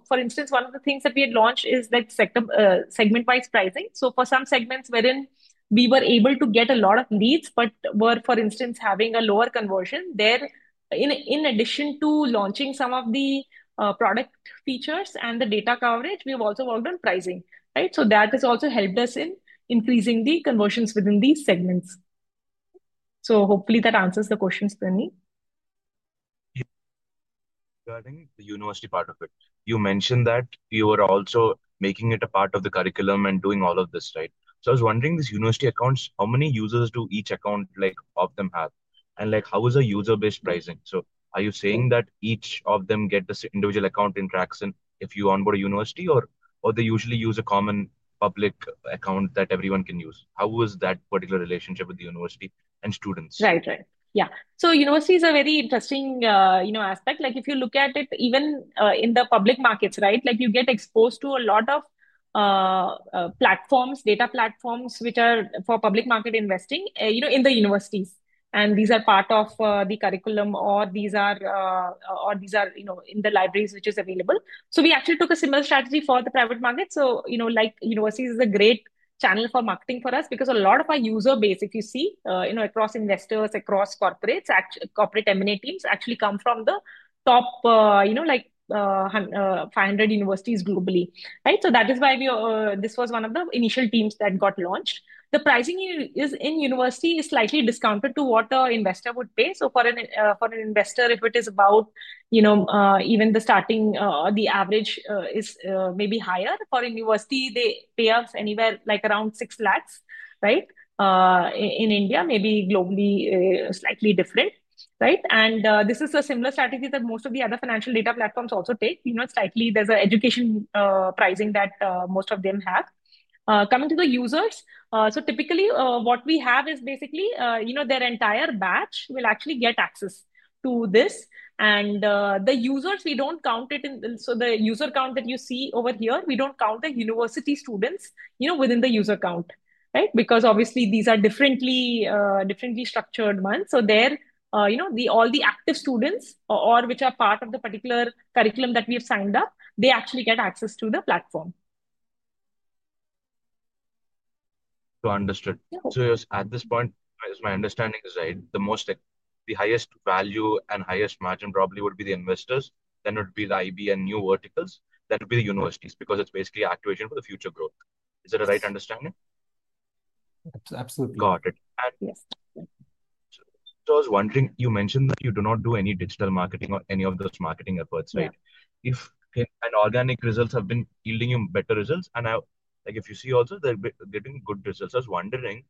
For instance, one of the things that we had launched is that segment-wise pricing. For some segments wherein we were able to get a lot of leads but were, for instance, having a lower conversion, there, in addition to launching some of the product features and the data coverage, we have also worked on pricing. That has also helped us in increasing the conversions within these segments. Hopefully, that answers the questions, Praneeth. Regarding the university part of it, you mentioned that you were also making it a part of the curriculum and doing all of this, right? I was wondering, these university accounts, how many users do each account, like, of them have? How is the user-based pricing? Are you saying that each of them gets an individual account in Tracxn if you onboard a university, or do they usually use a common public account that everyone can use? How is that particular relationship with the university and students? Right, right. Yeah. Universities are a very interesting aspect. If you look at it, even in the public markets, you get exposed to a lot of platforms, data platforms, which are for public market investing in the universities. These are part of the curriculum, or these are in the libraries, which are available. We actually took a similar strategy for the private market. Universities are a great channel for marketing for us because a lot of our user base, if you see, across investors, across corporates, corporate M&A teams actually come from the top 500 universities globally, right? That is why this was one of the initial teams that got launched. The pricing in university is slightly discounted to what an investor would pay. For an investor, if it is about, even the starting, the average is maybe higher. For a university, they pay us anywhere like around 6 lakhs, right? In India, maybe globally slightly different, right? This is a similar strategy that most of the other financial data platforms also take. There is an education pricing that most of them have. Coming to the users, typically, what we have is basically their entire batch will actually get access to this. The users, we do not count it in, so the user count that you see over here, we do not count the university students within the user count, right? Obviously, these are differently structured ones. There, all the active students, or which are part of the particular curriculum that we have signed up, they actually get access to the platform. At this point, if my understanding is right, the most, the highest value and highest margin probably would be the investors. Then it would be the IB and new verticals. That would be the universities because it's basically activation for the future growth. Is it a right understanding? Absolutely. Got it. I was wondering, you mentioned that you do not do any digital marketing or any of those marketing efforts, right? If an organic result has been yielding you better results, and if you see also they're getting good results, I was wondering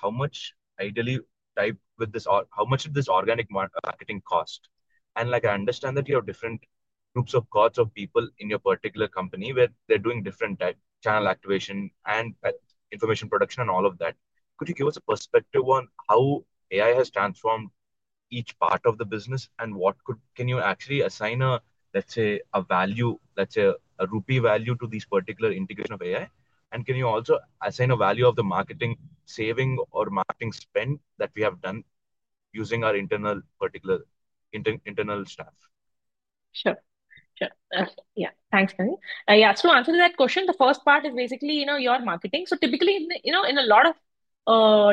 how much ideally type with this, how much did this organic marketing cost? I understand that you have different groups of cohorts of people in your particular company where they're doing different types of channel activation and information production and all of that. Could you give us a perspective on how AI has transformed each part of the business and what could, can you actually assign a, let's say, a value, let's say a rupee value to this particular integration of AI? Can you also assign a value of the marketing saving or marketing spend that we have done using our internal particular internal staff? Sure. Yeah. Thanks, Praneeth. To answer that question, the first part is basically, you know, your marketing. Typically, in a lot of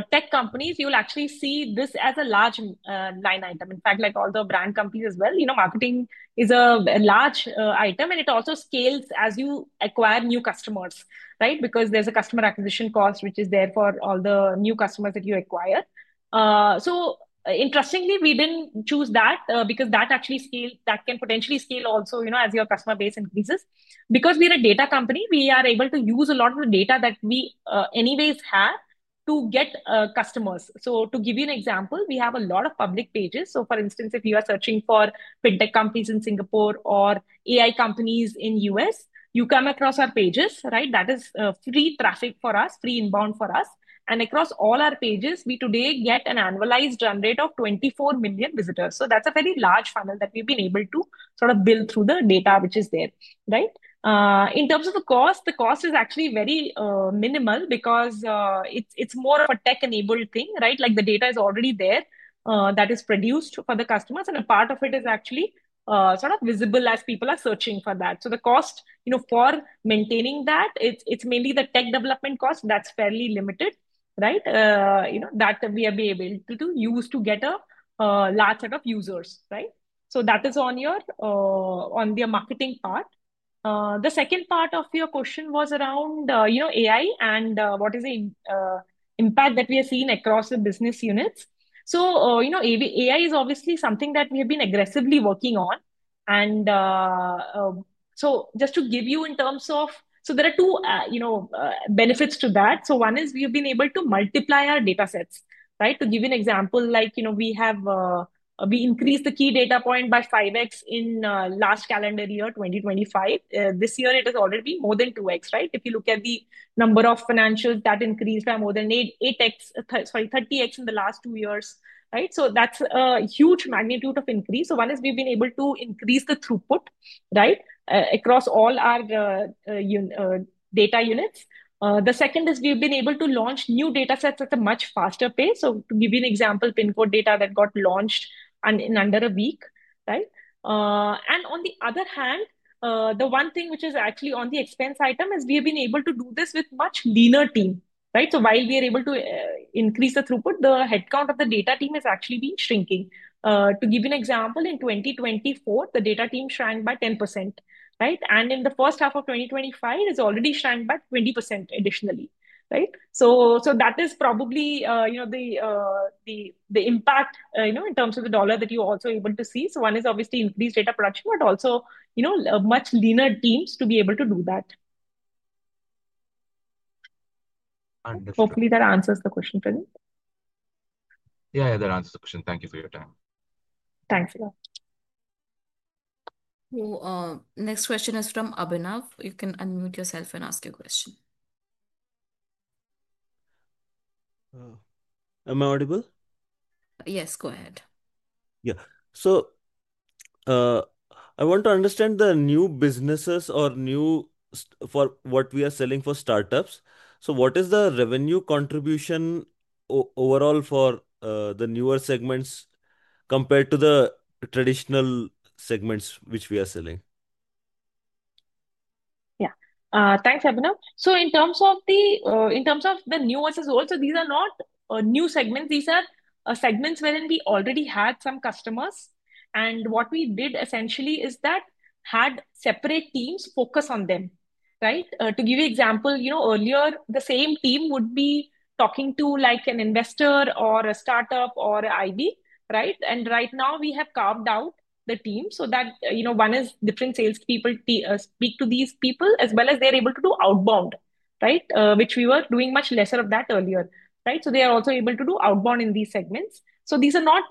tech companies, you'll actually see this as a large line item. In fact, like all the brand companies as well, marketing is a large item, and it also scales as you acquire new customers, right? There's a customer acquisition cost, which is there for all the new customers that you acquire. Interestingly, we didn't choose that because that actually scales, that can potentially scale also, as your customer base increases. Because we are a data company, we are able to use a lot of the data that we anyways have to get customers. To give you an example, we have a lot of public pages. For instance, if you are searching for fintech companies in Singapore or AI companies in the U.S., you come across our pages, right? That is free traffic for us, free inbound for us. Across all our pages, we today get an annualized run rate of 24 million visitors. That's a very large funnel that we've been able to sort of build through the data which is there, right? In terms of the cost, the cost is actually very minimal because it's more of a tech-enabled thing, right? The data is already there that is produced for the customers, and a part of it is actually sort of visible as people are searching for that. The cost for maintaining that, it's mainly the tech development cost that's fairly limited, right? We have been able to use that to get a large set of users, right? That is on the marketing part. The second part of your question was around AI and what is the impact that we have seen across the business units. AI is obviously something that we have been aggressively working on. Just to give you in terms of, there are two benefits to that. One is we have been able to multiply our data sets, right? To give you an example, we increased the key data point by 5x in last calendar year, 2025. This year, it has already been more than 2x, right? If you look at the number of financials, that increased by more than 8x, sorry, 30x in the last two years, right? That's a huge magnitude of increase. One is we've been able to increase the throughput, right, across all our data units. The second is we've been able to launch new data sets at a much faster pace. To give you an example, PIN code data that got launched in under a week, right? On the other hand, the one thing which is actually on the expense item is we have been able to do this with a much leaner team, right? While we are able to increase the throughput, the headcount of the data team has actually been shrinking. To give you an example, in 2024, the data team shrank by 10%, right? In the first half of 2025, it has already shrank by 20% additionally, right? That is probably the impact in terms of the dollar that you're also able to see. One is obviously increased data production, but also much leaner teams to be able to do that. Understood. Hopefully, that answers the question, Praneeth. Yeah, that answers the question. Thank you for your time. Thanks, Praneeth. Next question is from [Abhinav]. You can unmute yourself and ask your question. Am I audible? Yes, go ahead. I want to understand the new businesses or new for what we are selling for startups. What is the revenue contribution overall for the newer segments compared to the traditional segments which we are selling? Yeah. Thanks, [Abhinav. In terms of the new ones as well, these are not new segments. These are segments wherein we already had some customers. What we did essentially is that we had separate teams focus on them, right? To give you an example, earlier, the same team would be talking to like an investor or a startup or IB, right? Right now, we have carved out the teams so that one is different salespeople speak to these people as well as they're able to do outbound, which we were doing much lesser of that earlier, right? They are also able to do outbound in these segments. These are not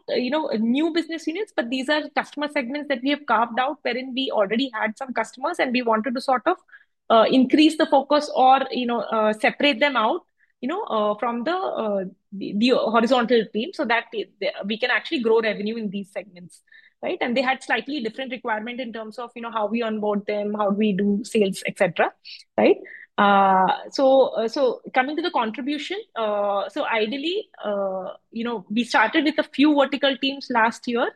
new business units, but these are customer segments that we have carved out wherein we already had some customers and we wanted to sort of increase the focus or separate them out from the horizontal team so that we can actually grow revenue in these segments, right? They had slightly different requirements in terms of how we onboard them, how do we do sales, etc., right? Coming to the contribution, ideally, we started with a few vertical teams last year.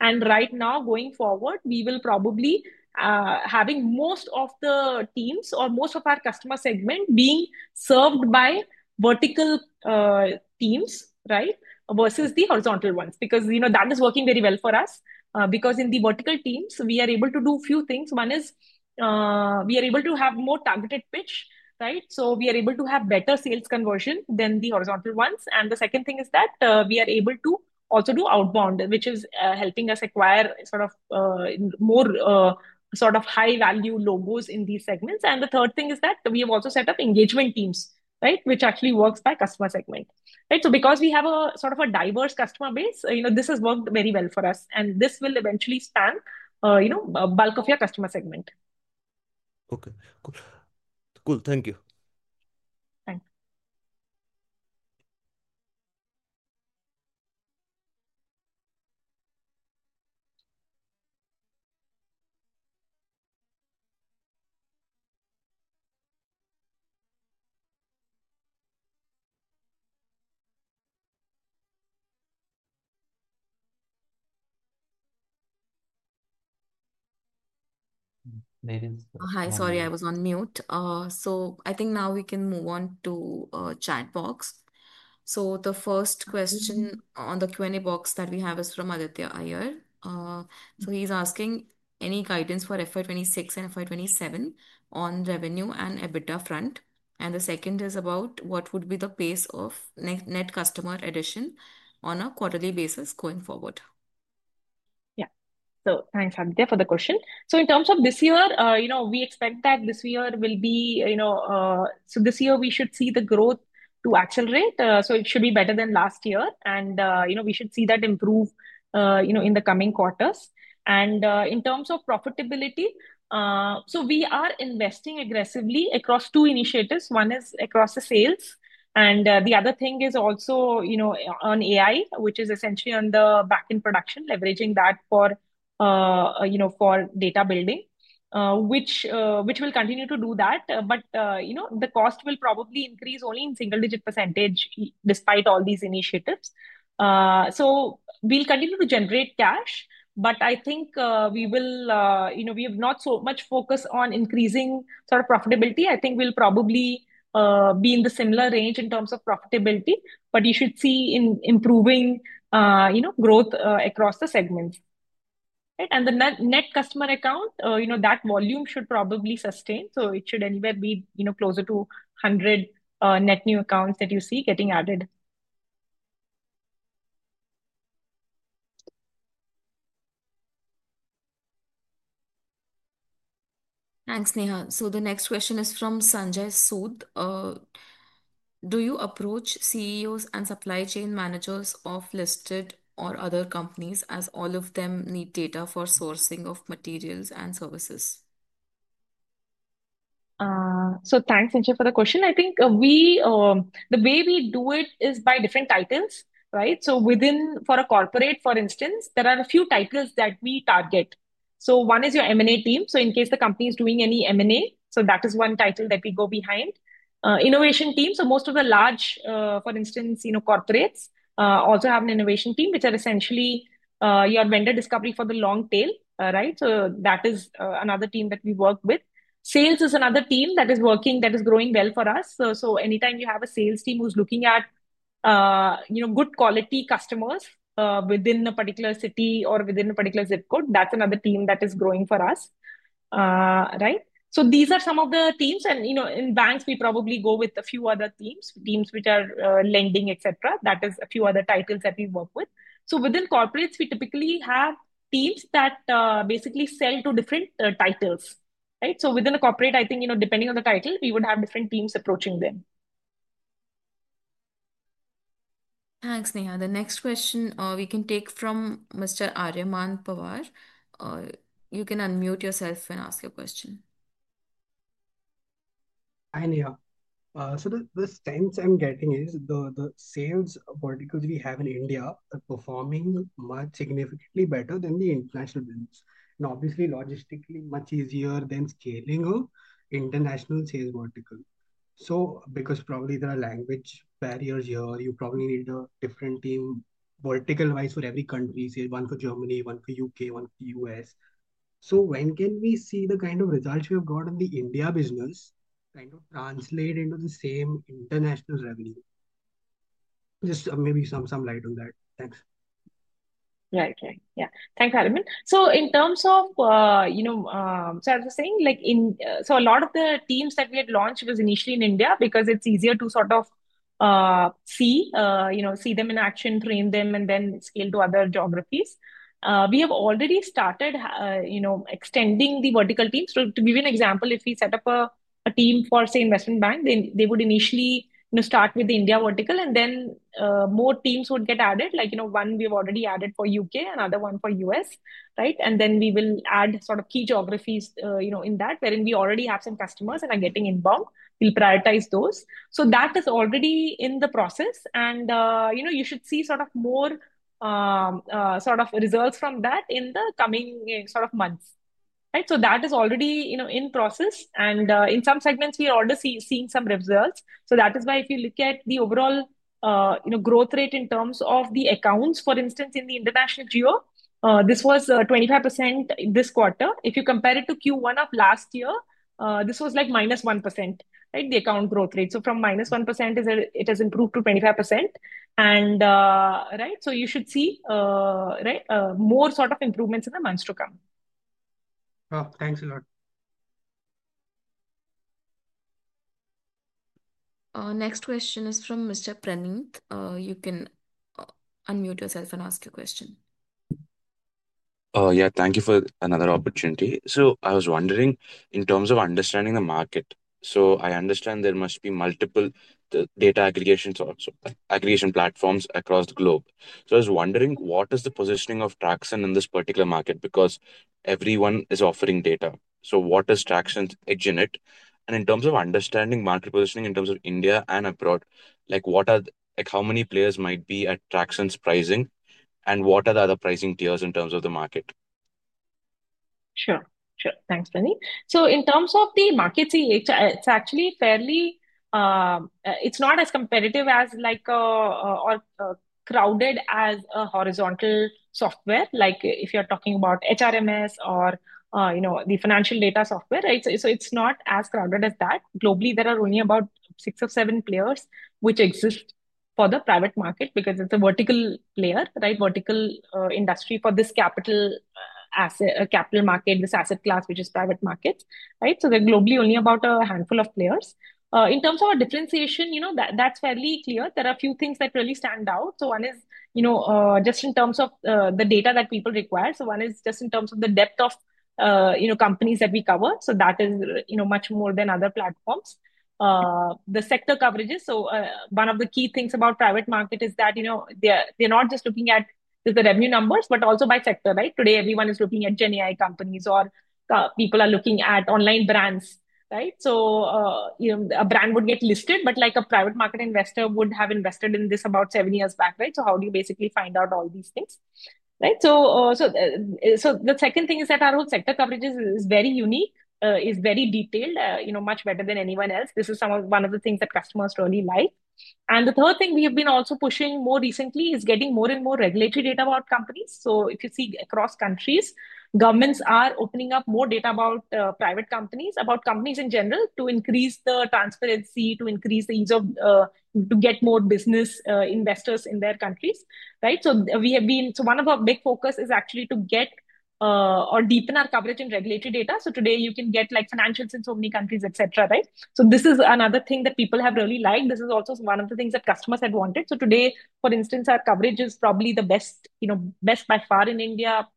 Right now, going forward, we will probably have most of the teams or most of our customer segments being served by vertical teams, right, versus the horizontal ones because that is working very well for us. In the vertical teams, we are able to do a few things. One is we are able to have a more targeted pitch, right? We are able to have better sales conversion than the horizontal ones. The second thing is that we are able to also do outbound, which is helping us acquire more sort of high-value logos in these segments. The third thing is that we have also set up engagement teams, which actually work by customer segment, right? Because we have a sort of a diverse customer base, this has worked very well for us. This will eventually span a bulk of your customer segment. Okay, cool. Cool. Thank you. Thanks. Hi, sorry, I was on mute. I think now we can move on to the chat box. The first question on the Q&A box that we have is from Aditya Iyer. He's asking, any guidance for FY 2026 and FY 2027 on revenue and EBITDA front? The second is about what would be the pace of net customer addition on a quarterly basis going forward? Thanks, Aditya, for the question. In terms of this year, we expect that this year will be, you know, we should see the growth to actual rate. It should be better than last year. We should see that improve in the coming quarters. In terms of profitability, we are investing aggressively across two initiatives. One is across the sales. The other thing is also on AI, which is essentially on the backend production, leveraging that for data building, which we will continue to do. The cost will probably increase only in single-digit percentage despite all these initiatives. We'll continue to generate cash. I think we have not so much focus on increasing profitability. I think we'll probably be in the similar range in terms of profitability. You should see improving growth across the segment. The net customer account, that volume should probably sustain. It should anywhere be closer to 100 net new accounts that you see getting added. Thanks, Neha. The next question is from Sanjay Sood. Do you approach CEOs and supply chain managers of listed or other companies as all of them need data for sourcing of materials and services? Thanks, Sanjay, for the question. I think the way we do it is by different titles, right? Within, for a corporate, for instance, there are a few titles that we target. One is your M&A team. In case the company is doing any M&A, that is one title that we go behind. Innovation team. Most of the large, for instance, corporates also have an innovation team, which are essentially your vendor discovery for the long tail, right? That is another team that we work with. Sales is another team that is working, that is growing well for us. Anytime you have a sales team who's looking at good quality customers within a particular city or within a particular zip code, that's another team that is growing for us. These are some of the teams. In banks, we probably go with a few other teams, teams which are lending, etc. That is a few other titles that we work with. Within corporates, we typically have teams that basically sell to different titles, right? Within a corporate, I think, depending on the title, we would have different teams approaching them. Thanks, Neha. The next question we can take from Mr. Aryamaan Pawar. You can unmute yourself and ask your question. Hi, Neha. The sense I'm getting is the sales verticals we have in India are performing much significantly better than the international business. Obviously, logistically, much easier than scaling up international sales vertical. Probably there are language barriers here, you probably need a different team vertical-wise for every country, say one for Germany, one for U.K., one for U.S. When can we see the kind of results we have got in the India business kind of translate into the same international revenue? Just maybe some light on that. Thanks. Yeah, I can. Yeah. Thanks, Aryamaan. In terms of, you know, as I was saying, a lot of the teams that we had launched were initially in India because it's easier to sort of see them in action, train them, and then scale to other geographies. We have already started extending the vertical teams. To give you an example, if we set up a team for, say, investment bank, then they would initially start with the India vertical, and then more teams would get added, like one we have already added for U.K., another one for U.S., right? We will add sort of key geographies in that, wherein we already have some customers and are getting inbound. We'll prioritize those. That is already in the process. You should see more results from that in the coming months, right? That is already in process. In some segments, we are already seeing some results. If you look at the overall growth rate in terms of the accounts, for instance, in the international geo, this was 25% this quarter. If you compare it to Q1 of last year, this was like -1%, right? The account growth rate. From -1%, it has improved to 25%. You should see more improvements in the months to come. Thanks a lot. Next question is from Mr. Praneet. You can unmute yourself and ask your question. Thank you for another opportunity. I was wondering, in terms of understanding the market, I understand there must be multiple data aggregation platforms across the globe. I was wondering, what is the positioning of Tracxn in this particular market? Everyone is offering data. What is Tracxn's edge in it? In terms of understanding market positioning in terms of India and abroad, how many players might be at Tracxn's pricing, and what are the other pricing tiers in terms of the market? Sure. Thanks, Praneet. In terms of the market, it's actually fairly, it's not as competitive or crowded as a horizontal software. If you're talking about HRMS or the financial data software, right? It's not as crowded as that. Globally, there are only about six or seven players which exist for the private market because it's a vertical layer, right? Vertical industry for this capital asset, capital market, this asset class, which is private market, right? There are globally only about a handful of players. In terms of our differentiation, that's fairly clear. There are a few things that really stand out. One is just in terms of the data that people require. One is just in terms of the depth of companies that we cover. That is much more than other platforms. The sector coverage is, one of the key things about the private market is that they're not just looking at just the revenue numbers, but also by sector, right? Today, everyone is looking at GenAI companies or people are looking at online brands, right? A brand would get listed, but a private market investor would have invested in this about seven years back, right? How do you basically find out all these things, right? The second thing is that our whole sector coverage is very unique, is very detailed, much better than anyone else. This is one of the things that customers really like. The third thing we have been also pushing more recently is getting more and more regulatory data about companies. If you see across countries, governments are opening up more data about private companies, about companies in general, to increase the transparency, to increase the ease of, to get more business investors in their countries, right? One of our big focus is actually to get or deepen our coverage in regulatory data. Today, you can get financials in so many countries, etc., right? This is another thing that people have really liked. This is also one of the things that customers had wanted. Today, for instance, our coverage is probably the best, best by far in India.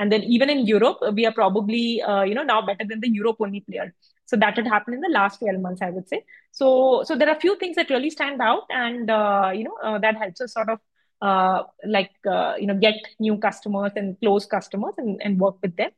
Even in Europe, we are probably now better than the Europe-only player. That had happened in the last 12 months, I would say. There are a few things that really stand out. That helps us sort of get new customers and close customers and work with them.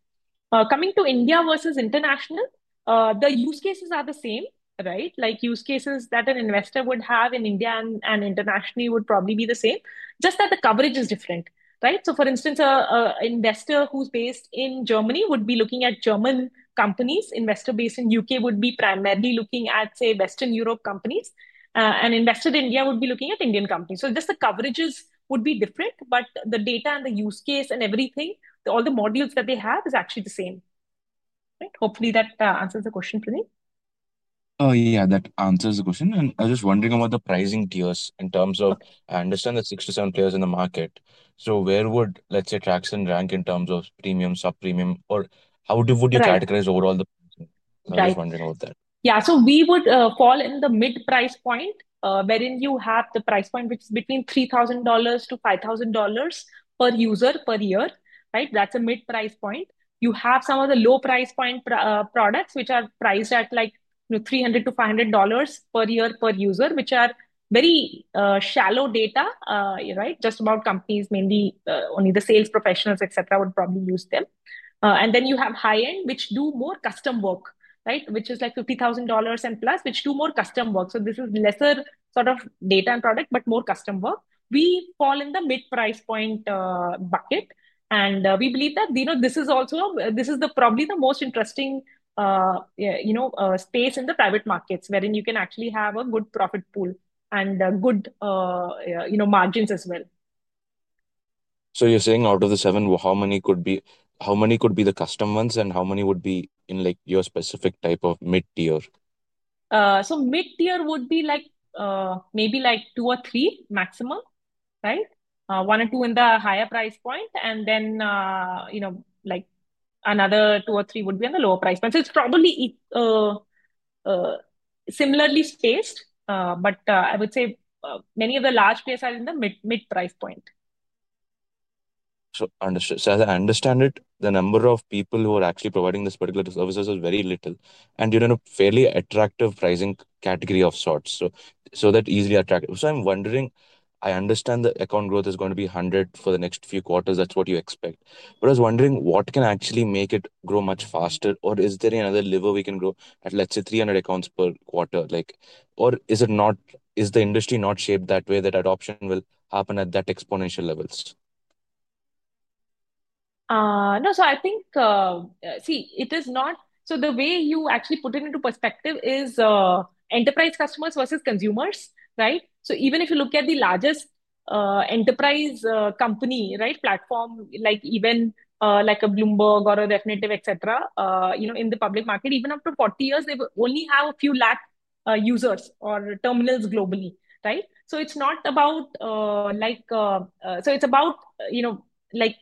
Coming to India versus international, the use cases are the same, right? Use cases that an investor would have in India and internationally would probably be the same, just that the coverage is different, right? For instance, an investor who's based in Germany would be looking at German companies. An investor based in the U.K. would be primarily looking at, say, Western Europe companies. An investor in India would be looking at Indian companies. Just the coverages would be different, but the data and the use case and everything, all the modules that they have is actually the same. Hopefully, that answers the question for me. Oh, yeah, yeah, that answers the question. I was just wondering about the pricing tiers. I understand there are six to seven players in the market. Where would, let's say, Tracxn rank in terms of premium, sub-premium, or how would you categorize overall? I'm just wondering about that. Yeah, so we would fall in the mid-price point, wherein you have the price point which is between $3,000-$5,000 per user per year, right? That's a mid-price point. You have some of the low-price point products which are priced at like $300-$500 per year per user, which are very shallow data, right? Just about companies, mainly only the sales professionals, etc., would probably use them. You have high-end, which do more custom work, right? Which is like $50,000 and plus, which do more custom work. This is lesser sort of data and product, but more custom work. We fall in the mid-price point bucket. We believe that, you know, this is also, this is probably the most interesting, you know, space in the private markets, wherein you can actually have a good profit pool and good, you know, margins as well. You're saying out of the seven, how many could be the custom ones and how many would be in your specific type of mid-tier? Mid-tier would be like, maybe two or three maximum, right? One or two in the higher price point, and then another two or three would be on the lower price point. It's probably similarly spaced, but I would say many of the large players are in the mid-price point. I understand it, the number of people who are actually providing this particular services is very little and you're in a fairly attractive pricing category of sorts. That's easily attractive. I'm wondering, I understand the account growth is going to be 100 for the next few quarters. That's what you expect. I was wondering what can actually make it grow much faster or is there any other lever we can grow at, let's say, 300 accounts per quarter? Is the industry not shaped that way that adoption will happen at that exponential levels? No, I think, see, it is not, the way you actually put it into perspective is enterprise customers versus consumers, right? Even if you look at the largest enterprise company, right, platform, like even, like a Bloomberg or a Refinitiv, etc., in the public market, even up to 40 years, they only have a few lakh users or terminals globally, right? It is not about, like, it is about, you know, like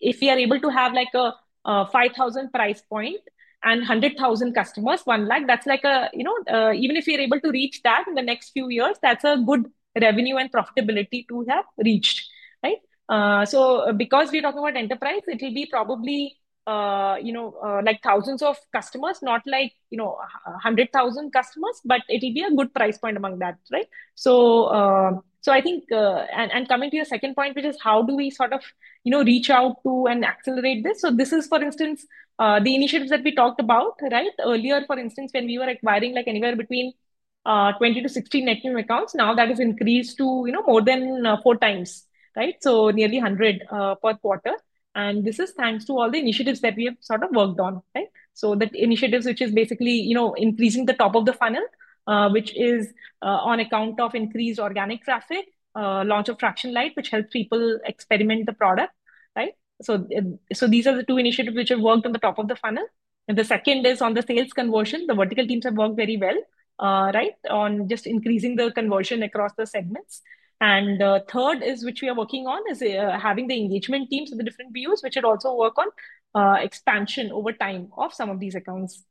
if you are able to have like a $5,000 price point and 100,000 customers, 1 lakh, that is like a, you know, even if you are able to reach that in the next few years, that is a good revenue and profitability to have reached, right? Because we are talking about enterprise, it will be probably, you know, like thousands of customers, not like, you know, 100,000 customers, but it will be a good price point among that, right? I think, and coming to your second point, which is how do we sort of, you know, reach out to and accelerate this? This is, for instance, the initiatives that we talked about, right? Earlier, for instance, when we were acquiring like anywhere between 20-60 net new account, now that has increased to, you know, more than 4x, right? Nearly 100 per quarter. This is thanks to all the initiatives that we have sort of worked on, right? The initiatives, which is basically, you know, increasing the top of the funnel, which is on account of increased organic traffic, launch of Tracxn Lite, which helps people experiment the product, right? These are the two initiatives which have worked on the top of the funnel. The second is on the sales conversion. The vertical teams have worked very well, right, on just increasing the conversion across the segments. The third is which we are working on is having the engagement teams with the different views, which would also work on expansion over time of some of these accounts.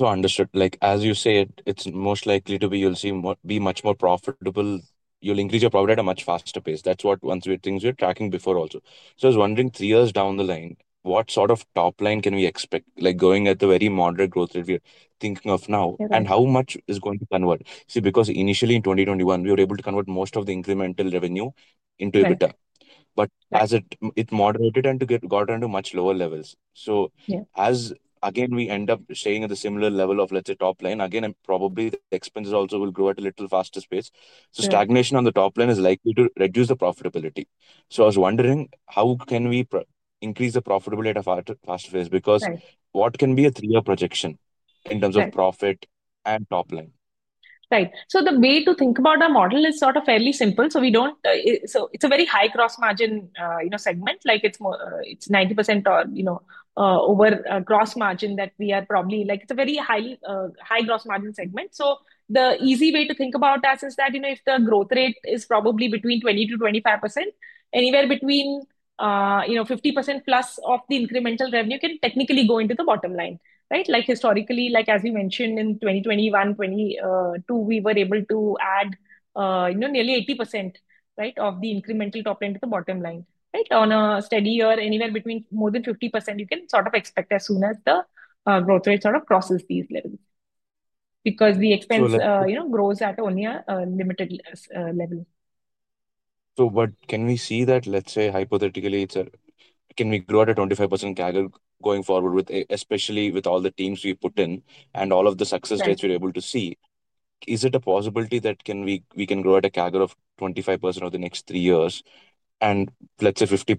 Understood, like as you say, it's most likely to be, you'll see be much more profitable. You'll increase your profit at a much faster pace. That's what once you think you're tracking before also. I was wondering, three years down the line, what sort of top line can we expect, like going at the very moderate growth that we're thinking of now and how much is going to convert? See, because initially in 2021, we were able to convert most of the incremental revenue into EBITDA. As it moderated and got on to much lower levels, as again, we end up staying at a similar level of, let's say, top line, again, and probably the expenses also will grow at a little faster pace. Stagnation on the top line is likely to reduce the profitability. I was wondering, how can we increase the profitability at a faster pace? What can be a three-year projection in terms of profit and top line? Right. The way to think about our model is sort of fairly simple. We don't, it's a very high gross-margin segment. Like it's 90% or over gross-margin that we are probably, like it's a very high gross-margin segment. The easy way to think about us is that if the growth rate is probably between 20%-25%, anywhere between 50%+ of the incremental revenue can technically go into the bottom line, right? Historically, as we mentioned in 2021, 2022, we were able to add nearly 80% of the incremental top line to the bottom line, right? On a steady year, anywhere between more than 50%, you can sort of expect as soon as the growth rate crosses these levels. The expense grows at only a limited level. Can we see that, let's say, hypothetically, can we grow at a 25% CAGR going forward, especially with all the teams we put in and all of the success rates we're able to see? Is it a possibility that we can grow at a CAGR of 25% over the next three years and let's say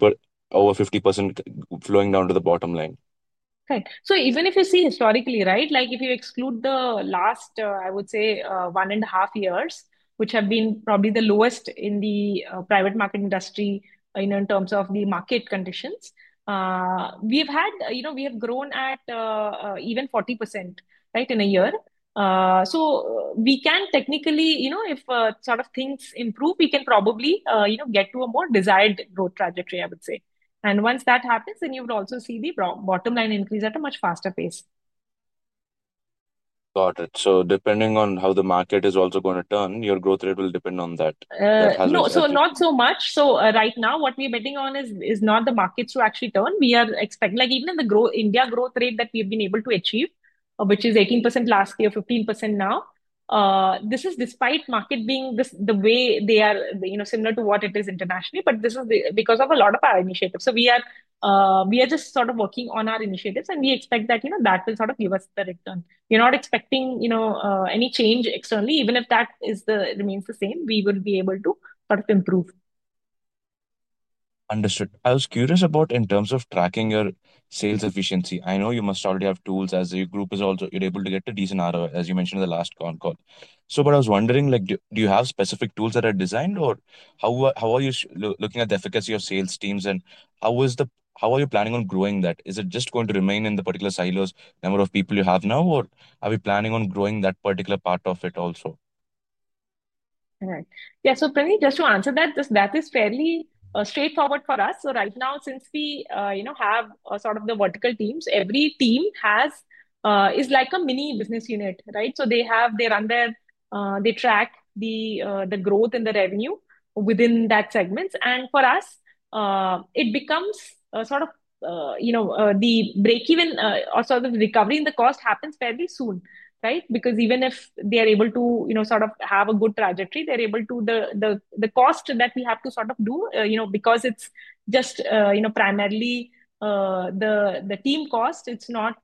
over 50% flowing down to the bottom line? Right. Even if you see historically, if you exclude the last, I would say, one and a half years, which have been probably the lowest in the private market industry in terms of the market conditions, we have grown at even 40% in a year. We can technically, if things improve, probably get to a more desired growth trajectory, I would say. Once that happens, you would also see the bottom line increase at a much faster pace. Got it. Depending on how the market is also going to turn, your growth rate will depend on that. No, not so much. Right now, what we're betting on is not the markets to actually turn. We are expecting, like even in the growth, India growth rate that we've been able to achieve, which is 18% last year, 15% now. This is despite market being the way they are, you know, similar to what it is internationally. This is because of a lot of our initiatives. We are just sort of working on our initiatives and we expect that will sort of give us the return. We're not expecting any change externally. Even if that remains the same, we will be able to sort of improve. Understood. I was curious about, in terms of tracking your sales efficiency, I know you must already have tools as a group. You're also able to get a decent ROI, as you mentioned in the last con call. I was wondering, do you have specific tools that are designed, or how are you looking at the efficacy of sales teams, and how are you planning on growing that? Is it just going to remain in the particular silos, the number of people you have now, or are you planning on growing that particular part of it also? Right. Yeah, just to answer that, that is fairly straightforward for us. Right now, since we have sort of the vertical teams, every team is like a mini business unit, right? They run their, they track the growth in the revenue within that segment. For us, the breakeven or recovering the cost happens fairly soon, right? Because even if they are able to have a good trajectory, they're able to, the cost that we have to do, because it's just primarily the team cost. It's not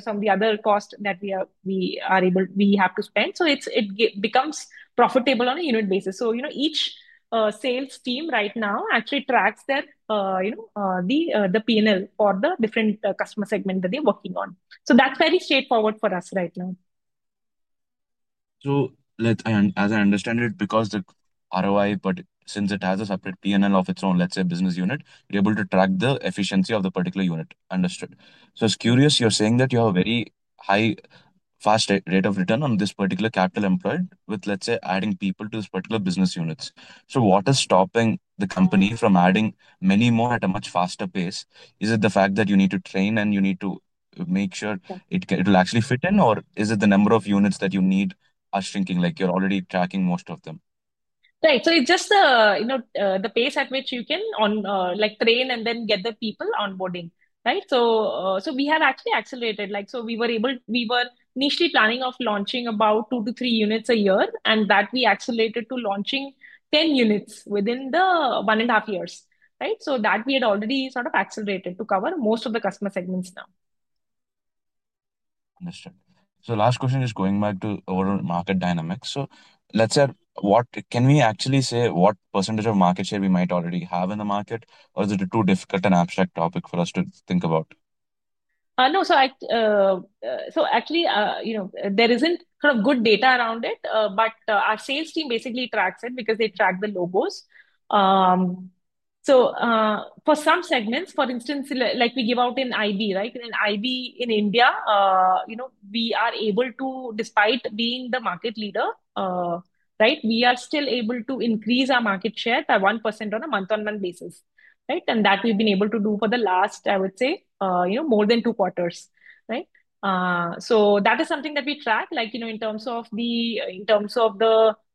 some of the other costs that we are able, we have to spend. It becomes profitable on a unit basis. Each sales team right now actually tracks their P&L for the different customer segments that they're working on. That's very straightforward for us right now. As I understand it, because the ROI, but since it has a separate P&L of its own, let's say business unit, you're able to track the efficiency of the particular unit. Understood. I was curious, you're saying that you have a very high, fast rate of return on this particular capital employed with, let's say, adding people to these particular business units. What is stopping the company from adding many more at a much faster pace? Is it the fact that you need to train and you need to make sure it will actually fit in, or is it the number of units that you need are shrinking, like you're already tracking most of them? Right. It's just the pace at which you can train and then get the people onboarding, right? We have actually accelerated, like, we were initially planning of launching about two to three units a year, and that we accelerated to launching 10 units within the one and a half years, right? We had already sort of accelerated to cover most of the customer segments now. Understood. Last question is going back to overall market dynamics. Let's say, what can we actually say, what percentage of market share we might already have in the market, or is it too difficult an abstract topic for us to think about? No, actually, there isn't kind of good data around it, but our sales team basically tracks it because they track the logos. For some segments, for instance, like we give out in IB, right? In IB in India, we are able to, despite being the market leader, we are still able to increase our market share by 1% on a month-on-month basis. We've been able to do that for the last, I would say, more than two quarters. That is something that we track in terms of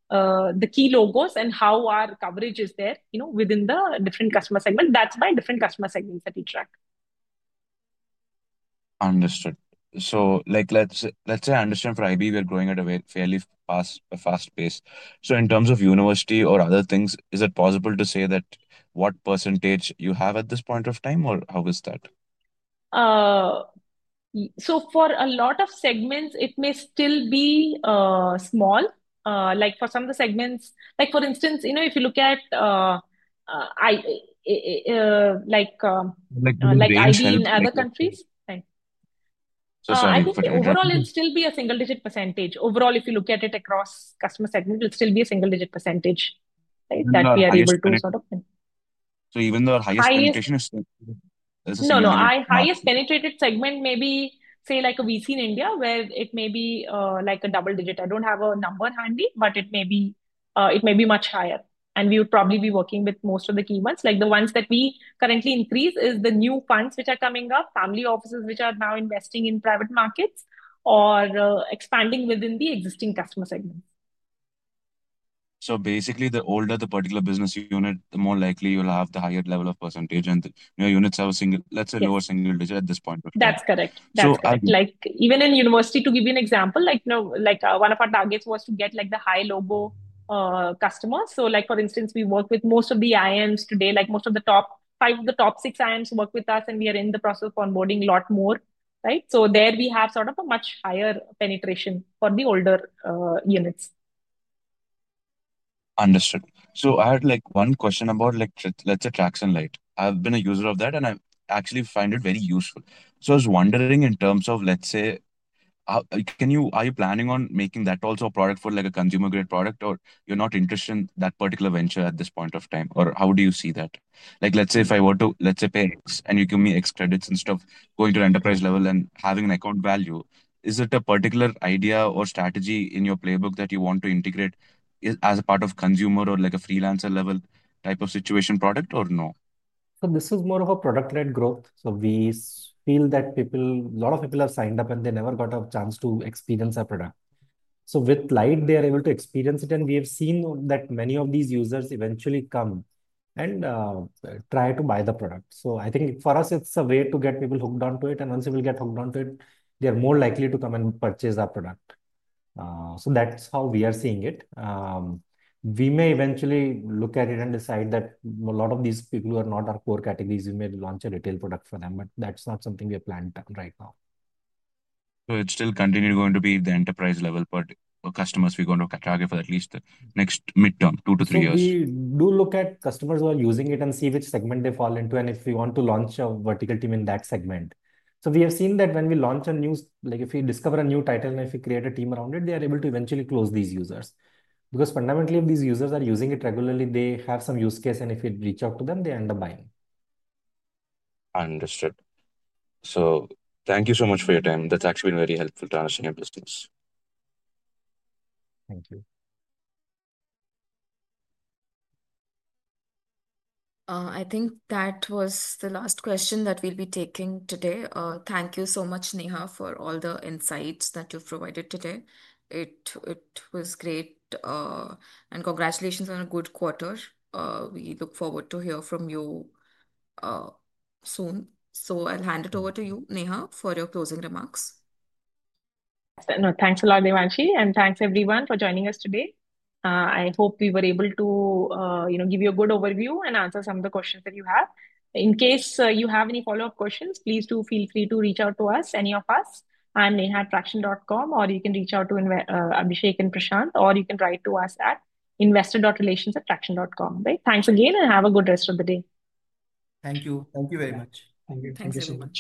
the key logos and how our coverage is there within the different customer segments. That's by different customer segments that we track. Understood. Let's say, I understand for IB, we're growing at a fairly fast pace. In terms of university or other things, is it possible to say what percentage you have at this point of time, or how is that? For a lot of segments, it may still be small. For some of the segments, for instance, if you look at IB in other countries, I think overall it'll still be a single-digit percentage. Overall, if you look at it across customer segments, it'll still be a single-digit percentage that we are able to sort of. Even though our highest penetration is? No, our highest penetrated segment may be, say, like a VC in India, where it may be like a double digit. I don't have a number handy, but it may be much higher. We would probably be working with most of the key ones. The ones that we currently increase is the new funds which are coming up, family offices which are now investing in private markets, or expanding within the existing customer segment. Basically, the older the particular business unit, the more likely you'll have the higher level of percentage, and your units are single, let's say, lower single digit at this point. That's correct. That's correct. Like even in university, to give you an example, one of our targets was to get the high logo customers. For instance, we work with most of the IIMs today, like most of the top five of the top six IIMs work with us, and we are in the process of onboarding a lot more, right? There we have a much higher penetration for the older units. Understood. I had one question about Tracxn Lite. I've been a user of that, and I actually find it very useful. I was wondering, in terms of, can you, are you planning on making that also a product for a consumer-grade product, or you're not interested in that particular venture at this point of time, or how do you see that? If I were to pay X, and you give me X credits instead of going to an enterprise level and having an account value, is it a particular idea or strategy in your playbook that you want to integrate as a part of consumer or a freelancer level type of situation product, or no? This is more of a product-led growth. We feel that a lot of people have signed up, and they never got a chance to experience our product. With Lite, they are able to experience it, and we have seen that many of these users eventually come and try to buy the product. I think for us, it's a way to get people hooked onto it, and once people get hooked onto it, they are more likely to come and purchase our product. That's how we are seeing it. We may eventually look at it and decide that a lot of these people who are not our core categories, we may launch a retail product for them, but that's not something we have planned on right now. It will still continue to be the enterprise level customers we're going to target for at least the next mid-term, two to three years. We do look at customers who are using it and see which segment they fall into, and if we want to launch a vertical team in that segment. We have seen that when we launch a new, like if we discover a new title, and if we create a team around it, they are able to eventually close these users. Fundamentally, if these users are using it regularly, they have some use case, and if we reach out to them, they end up buying. Thank you so much for your time. That's actually been very helpful to us in our business. Thank you. I think that was the last question that we'll be taking today. Thank you so much, Neha, for all the insights that you've provided today. It was great, and congratulations on a good quarter. We look forward to hearing from you soon. I'll hand it over to you, Neha, for your closing remarks. No, thanks a lot, Devanshi, and thanks everyone for joining us today. I hope we were able to give you a good overview and answer some of the questions that you have. In case you have any follow-up questions, please do feel free to reach out to us, any of us, at neha@tracxn.com, or you can reach out to Abhishek and Prashant, or you can write to us at investor.relations@tracxn.com. Thanks again, and have a good rest of the day. Thanks so much.